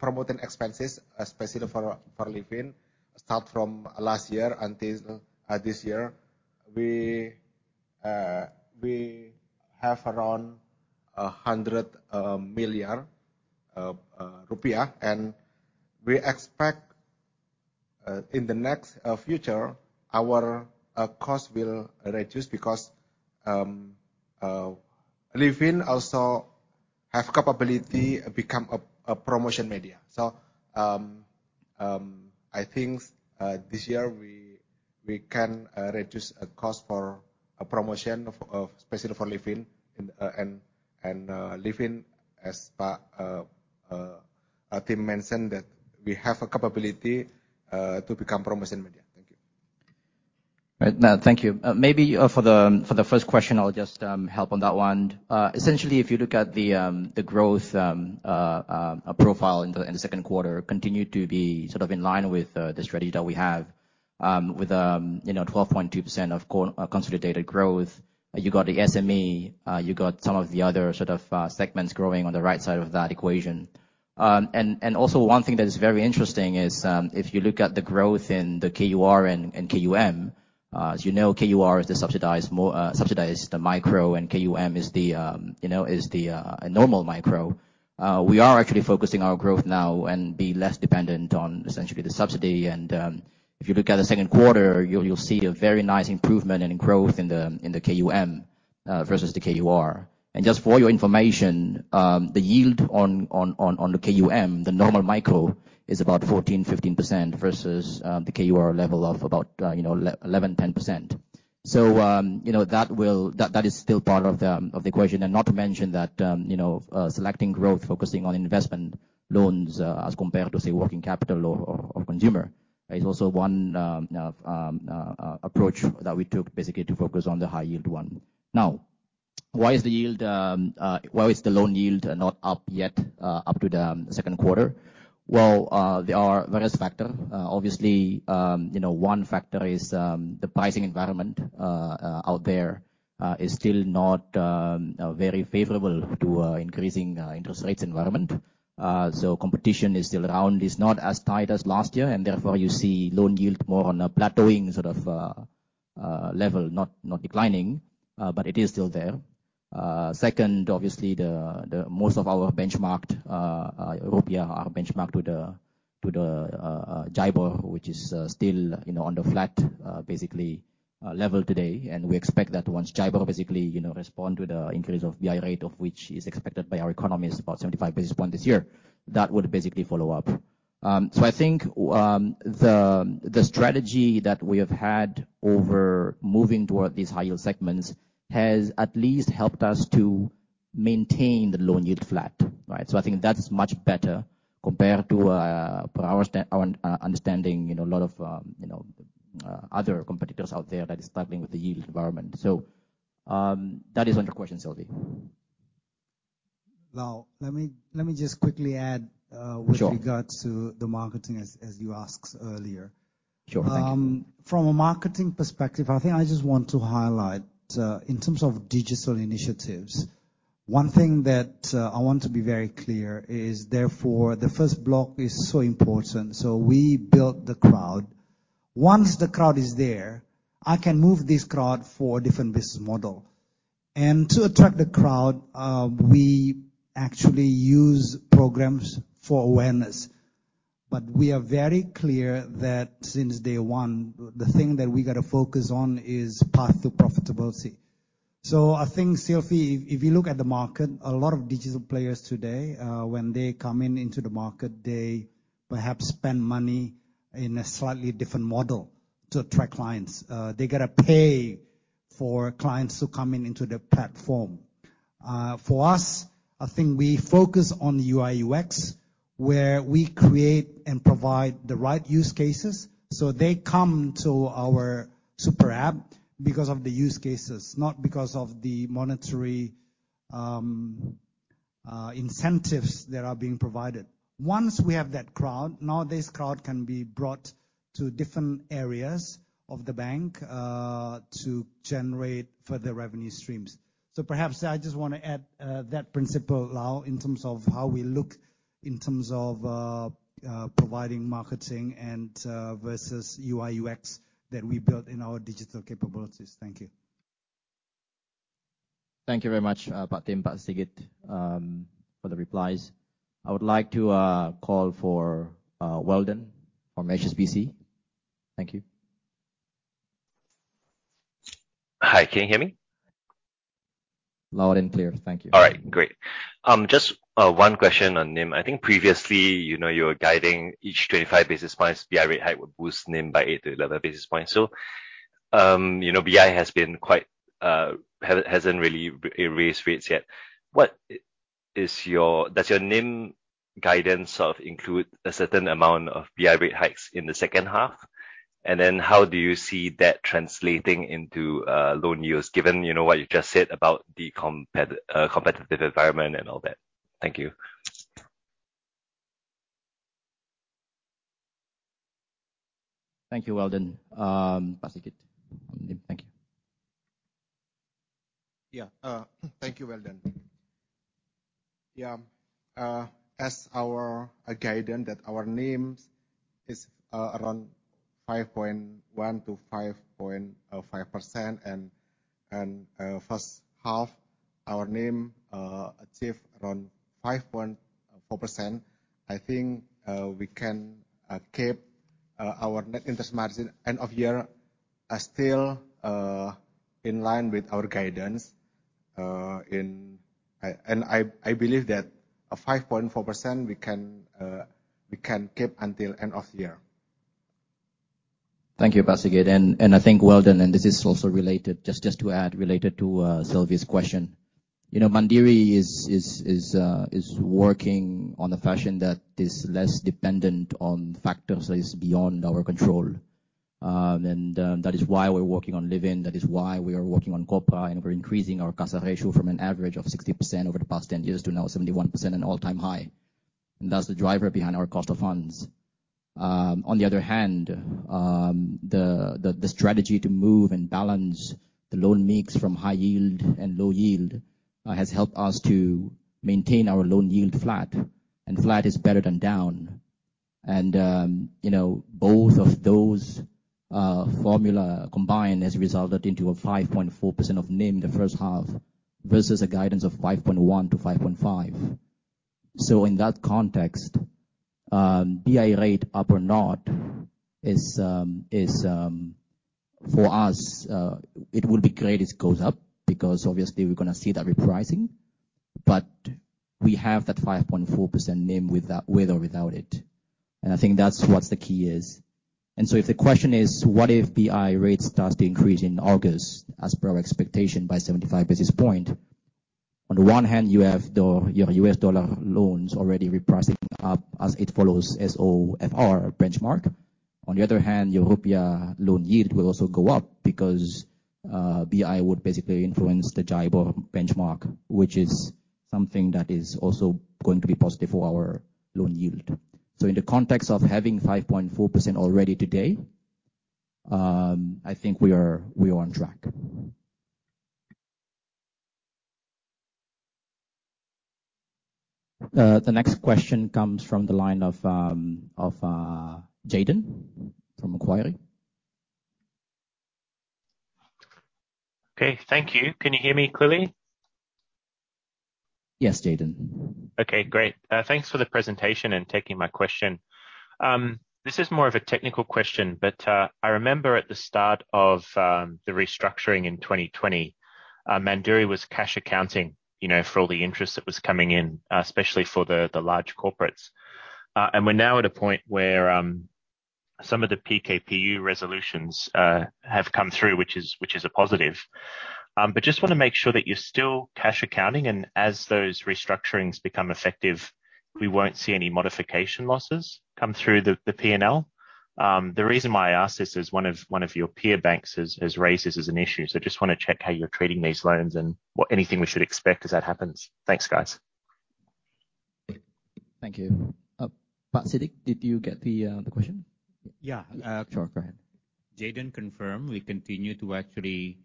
promotion expenses, especially for Livin'. Starting from last year until this year. We have around IDR 100 million. We expect in the near future our cost will reduce because Livin' also have capability become a promotion media. I think this year we can reduce cost for a promotion. Especially for Livin'. Tim mentioned that we have a capability to become promotion media. Thank you. Right. Now, thank you. Maybe for the first question, I'll just help on that one. Essentially, if you look at the growth profile in the second quarter continue to be sort of in line with the strategy that we have, with you know, 12.2% consolidated growth. You got the SME, you got some of the other sort of segments growing on the right side of that equation. Also one thing that is very interesting is, if you look at the growth in the KUR and KUM, as you know, KUR is the subsidized micro and KUM is the, you know, a normal micro. We are actually focusing our growth now and be less dependent on essentially the subsidy. If you look at the second quarter, you'll see a very nice improvement and growth in the KUM versus the KUR. Just for your information, the yield on the KUM, the normal micro, is about 14, 15% versus the KUR level of about 11, 10%. You know, that is still part of the equation. Not to mention that, you know, selecting growth, focusing on investment loans as compared to, say, working capital or consumer, right? Is also one approach that we took basically to focus on the high yield one. Now, why is the yield Why is the loan yield not up yet, up to the second quarter? Well, there are various factor. Obviously, you know, one factor is, the pricing environment, out there, is still not, very favorable to, increasing, interest rates environment. So competition is still around. It's not as tight as last year, and therefore you see loan yield more on a plateauing sort of, level, not declining, but it is still there. Second, obviously the most of our benchmarked rupiah are benchmarked to the JIBOR, which is still, you know, on the flat, basically, level today. We expect that once JIBOR basically, you know, respond to the increase of BI rate, of which is expected by our economy is about 75 basis points this year, that would basically follow up. I think the strategy that we have had over moving toward these high yield segments has at least helped us to maintain the loan yield flat, right? I think that's much better compared to, per our understanding, you know, a lot of other competitors out there that is struggling with the yield environment. That is on your question, Selvie. Lal, let me just quickly add, Sure. With regards to the marketing, as you asked earlier. Sure. Thank you. From a marketing perspective, I think I just want to highlight in terms of digital initiatives, one thing that I want to be very clear is, therefore, the first block is so important, so we built the crowd. Once the crowd is there, I can move this crowd for different business model. To attract the crowd, we actually use programs for awareness. We are very clear that since day one, the thing that we gotta focus on is path to profitability. I think, Selvie, if you look at the market, a lot of digital players today, when they come in into the market, they perhaps spend money in a slightly different model to attract clients. They gotta pay for clients to come in into the platform. For us, I think we focus on UI/UX, where we create and provide the right use cases, so they come to our super app because of the use cases, not because of the monetary incentives that are being provided. Once we have that crowd, now this crowd can be brought to different areas of the bank to generate further revenue streams. Perhaps I just want to add that principle, Lal, in terms of how we look in terms of providing marketing and versus UI/UX that we built in our digital capabilities. Thank you. Thank you very much, Pak Tim, Pak Sigit, for the replies. I would like to call for Weldon from HSBC. Thank you. Hi. Can you hear me? Loud and clear. Thank you. All right. Great. Just one question on NIM. I think previously, you know, you were guiding each 25 basis points BI rate hike would boost NIM by 8-11 basis points. You know, BI has been quite, hasn't really raised rates yet. Does your NIM guidance sort of include a certain amount of BI rate hikes in the second half? Then how do you see that translating into loan yields given, you know, what you just said about the competitive environment and all that? Thank you. Thank you, Weldon. Pak Sigit, on NIM. Thank you. Thank you, Weldon. As our guidance that our NIM is around 5.1% to 5.5%, and first half our NIM achieved around 5.4%. I think we can keep our net interest margin end of year are still in line with our guidance. I believe that 5.4% we can keep until end of year. Thank you, Pak Sigit. I think, Weldon, this is also related, just to add related to Selvie Jusman question. You know, Mandiri is working on a fashion that is less dependent on factors that is beyond our control. And that is why we're working on Livin'. That is why we are working on Kopra, and we're increasing our CASA ratio from an average of 60% over the past 10 years to now 71%, an all-time high. That's the driver behind our cost of funds. On the other hand, the strategy to move and balance the loan mix from high yield and low yield, has helped us to maintain our loan yield flat is better than down. You know, both of those formula combined has resulted into a 5.4% NIM in the first half versus a guidance of 5.1%-5.5%. In that context, BI rate up or not is. For us, it would be great it goes up because obviously we're gonna see that repricing, but we have that 5.4% NIM with that, with or without it. I think that's what's the key is. If the question is, what if BI rate starts to increase in August, as per our expectation by 75 basis points? On the one hand, you have your US dollar loans already repricing up as it follows SOFR benchmark. On the other hand, your rupiah loan yield will also go up because BI would basically influence the JIBOR benchmark, which is something that is also going to be positive for our loan yield. In the context of having 5.4% already today, I think we are on track. The next question comes from the line of Jayden from Macquarie. Okay. Thank you. Can you hear me clearly? Yes, Jayden. Okay, great. Thanks for the presentation and taking my question. This is more of a technical question, but I remember at the start of the restructuring in 2020, Mandiri was cash accounting, you know, for all the interest that was coming in, especially for the large corporates. We're now at a point where some of the PKPU resolutions have come through, which is a positive. But just wanna make sure that you're still cash accounting, and as those restructurings become effective, we won't see any modification losses come through the P&L. The reason why I ask this is one of your peer banks has raised this as an issue. Just wanna check how you're treating these loans and anything we should expect as that happens. Thanks, guys. Thank you. Pak Siddik, did you get the question? Yeah. Sure. Go ahead. Jayden, confirm, we continue to actually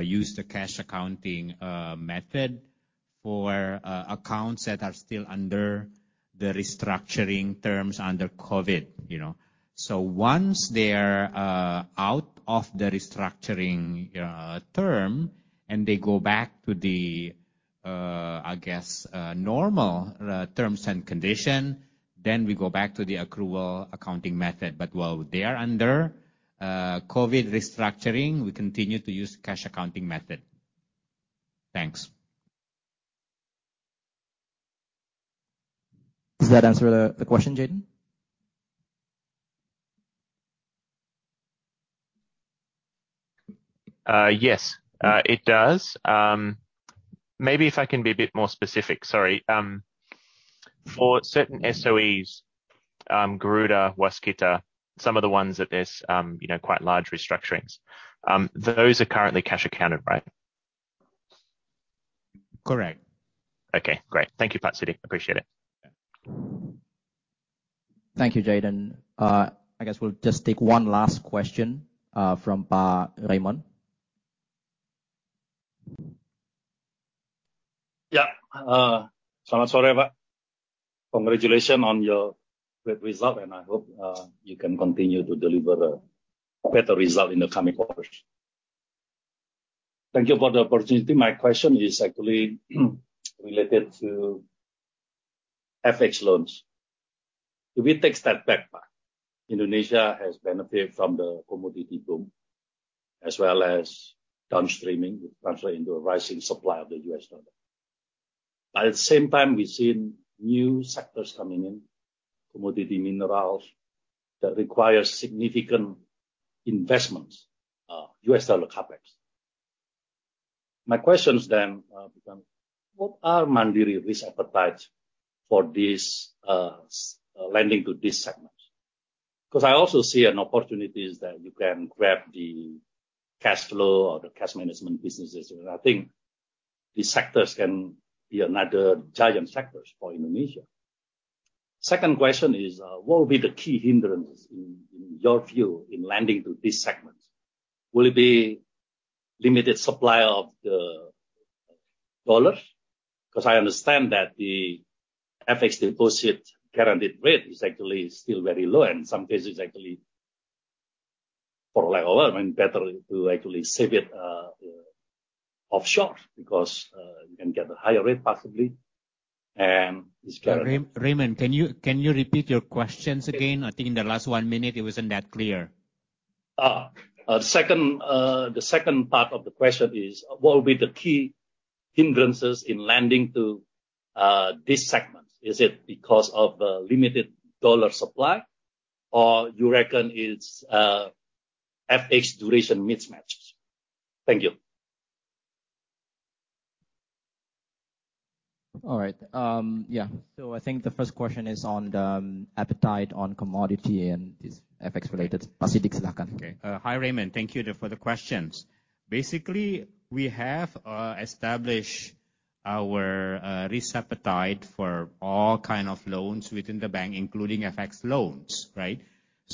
use the cash accounting method for accounts that are still under the restructuring terms under COVID, you know. Once they're out of the restructuring term and they go back to the I guess normal terms and condition, then we go back to the accrual accounting method. While they are under COVID restructuring, we continue to use cash accounting method. Thanks. Does that answer the question, Jayden? Yes, it does. Maybe if I can be a bit more specific, sorry. For certain SOEs, Garuda, Waskita, some of the ones that there's, you know, quite large restructurings, those are currently cash accounted, right? Correct. Okay, great. Thank you, Pak Siddik. Appreciate it. Thank you, Jayden. I guess we'll just take one last question from Pak Raymond. Yeah. Selamat sore, Pak. Congratulations on your great result, and I hope you can continue to deliver a better result in the coming quarters. Thank you for the opportunity. My question is actually related to FX loans. If we take a step back, Pak, Indonesia has benefited from the commodity boom as well as downstreaming, which translate into a rising supply of the US dollar. At the same time, we've seen new sectors coming in, commodity minerals, that require significant investments, US dollar CapEx. My questions then become what are Mandiri risk appetite for this, lending to this segment? 'Cause I also see an opportunities that you can grab the cash flow or the cash management businesses, and I think these sectors can be another giant sectors for Indonesia. Second question is, what will be the key hindrance in your view in lending to this segment? Will it be limited supply of the dollar? 'Cause I understand that the FX deposit guaranteed rate is actually still very low, and in some cases it's actually lower and better to actually save it offshore because you can get a higher rate possibly, and it's guaranteed. Raymond, can you repeat your questions again? I think in the last one minute it wasn't that clear. The second part of the question is what will be the key hindrances in lending to this segment? Is it because of limited dollar supply or you reckon it's FX duration mismatch? Thank you. All right. Yeah. I think the first question is on the appetite for commodities and FX related. Okay. Hi, Raymond. Thank you for the questions. Basically, we have established our risk appetite for all kind of loans within the bank including FX loans, right?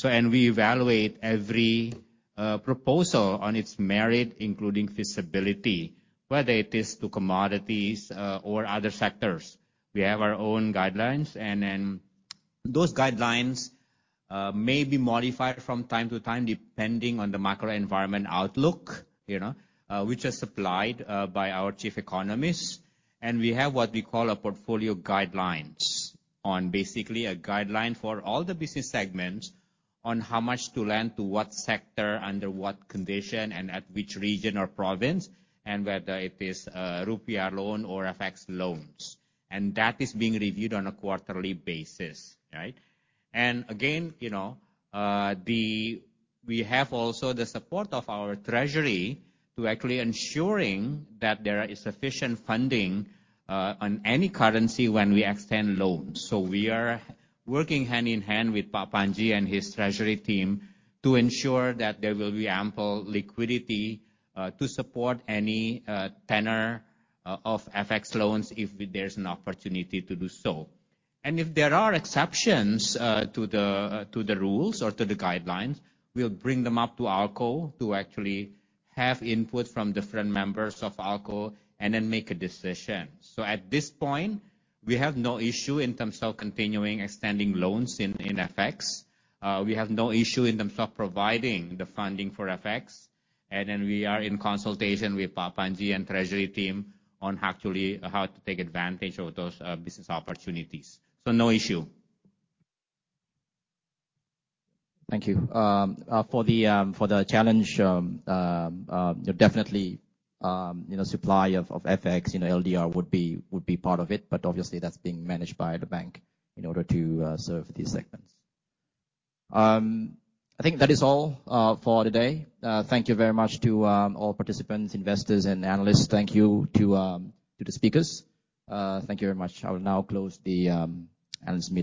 We evaluate every proposal on its merit, including feasibility. Whether it is to commodities or other sectors. We have our own guidelines and then those guidelines may be modified from time to time depending on the macro environment outlook, you know, which is supplied by our chief economist. We have what we call a portfolio guidelines basically a guideline for all the business segments on how much to lend, to what sector, under what condition, and at which region or province, and whether it is rupiah loan or FX loans. That is being reviewed on a quarterly basis, right? Again, you know, the We have also the support of our treasury to actually ensuring that there is sufficient funding on any currency when we extend loans. We are working hand in hand with Panji and his treasury team to ensure that there will be ample liquidity to support any tenor of FX loans if there's an opportunity to do so. If there are exceptions to the rules or to the guidelines, we'll bring them up to ALCO to actually have input from different members of ALCO and then make a decision. At this point, we have no issue in terms of continuing extending loans in FX. We have no issue in terms of providing the funding for FX. We are in consultation with Panji and treasury team on actually how to take advantage of those business opportunities. No issue. Thank you. For the challenge, definitely, you know, supply of FX, you know, LDR would be part of it, but obviously that's being managed by the bank in order to serve these segments. I think that is all for today. Thank you very much to all participants, investors and analysts. Thank you to the speakers. Thank you very much. I will now close the analyst meeting.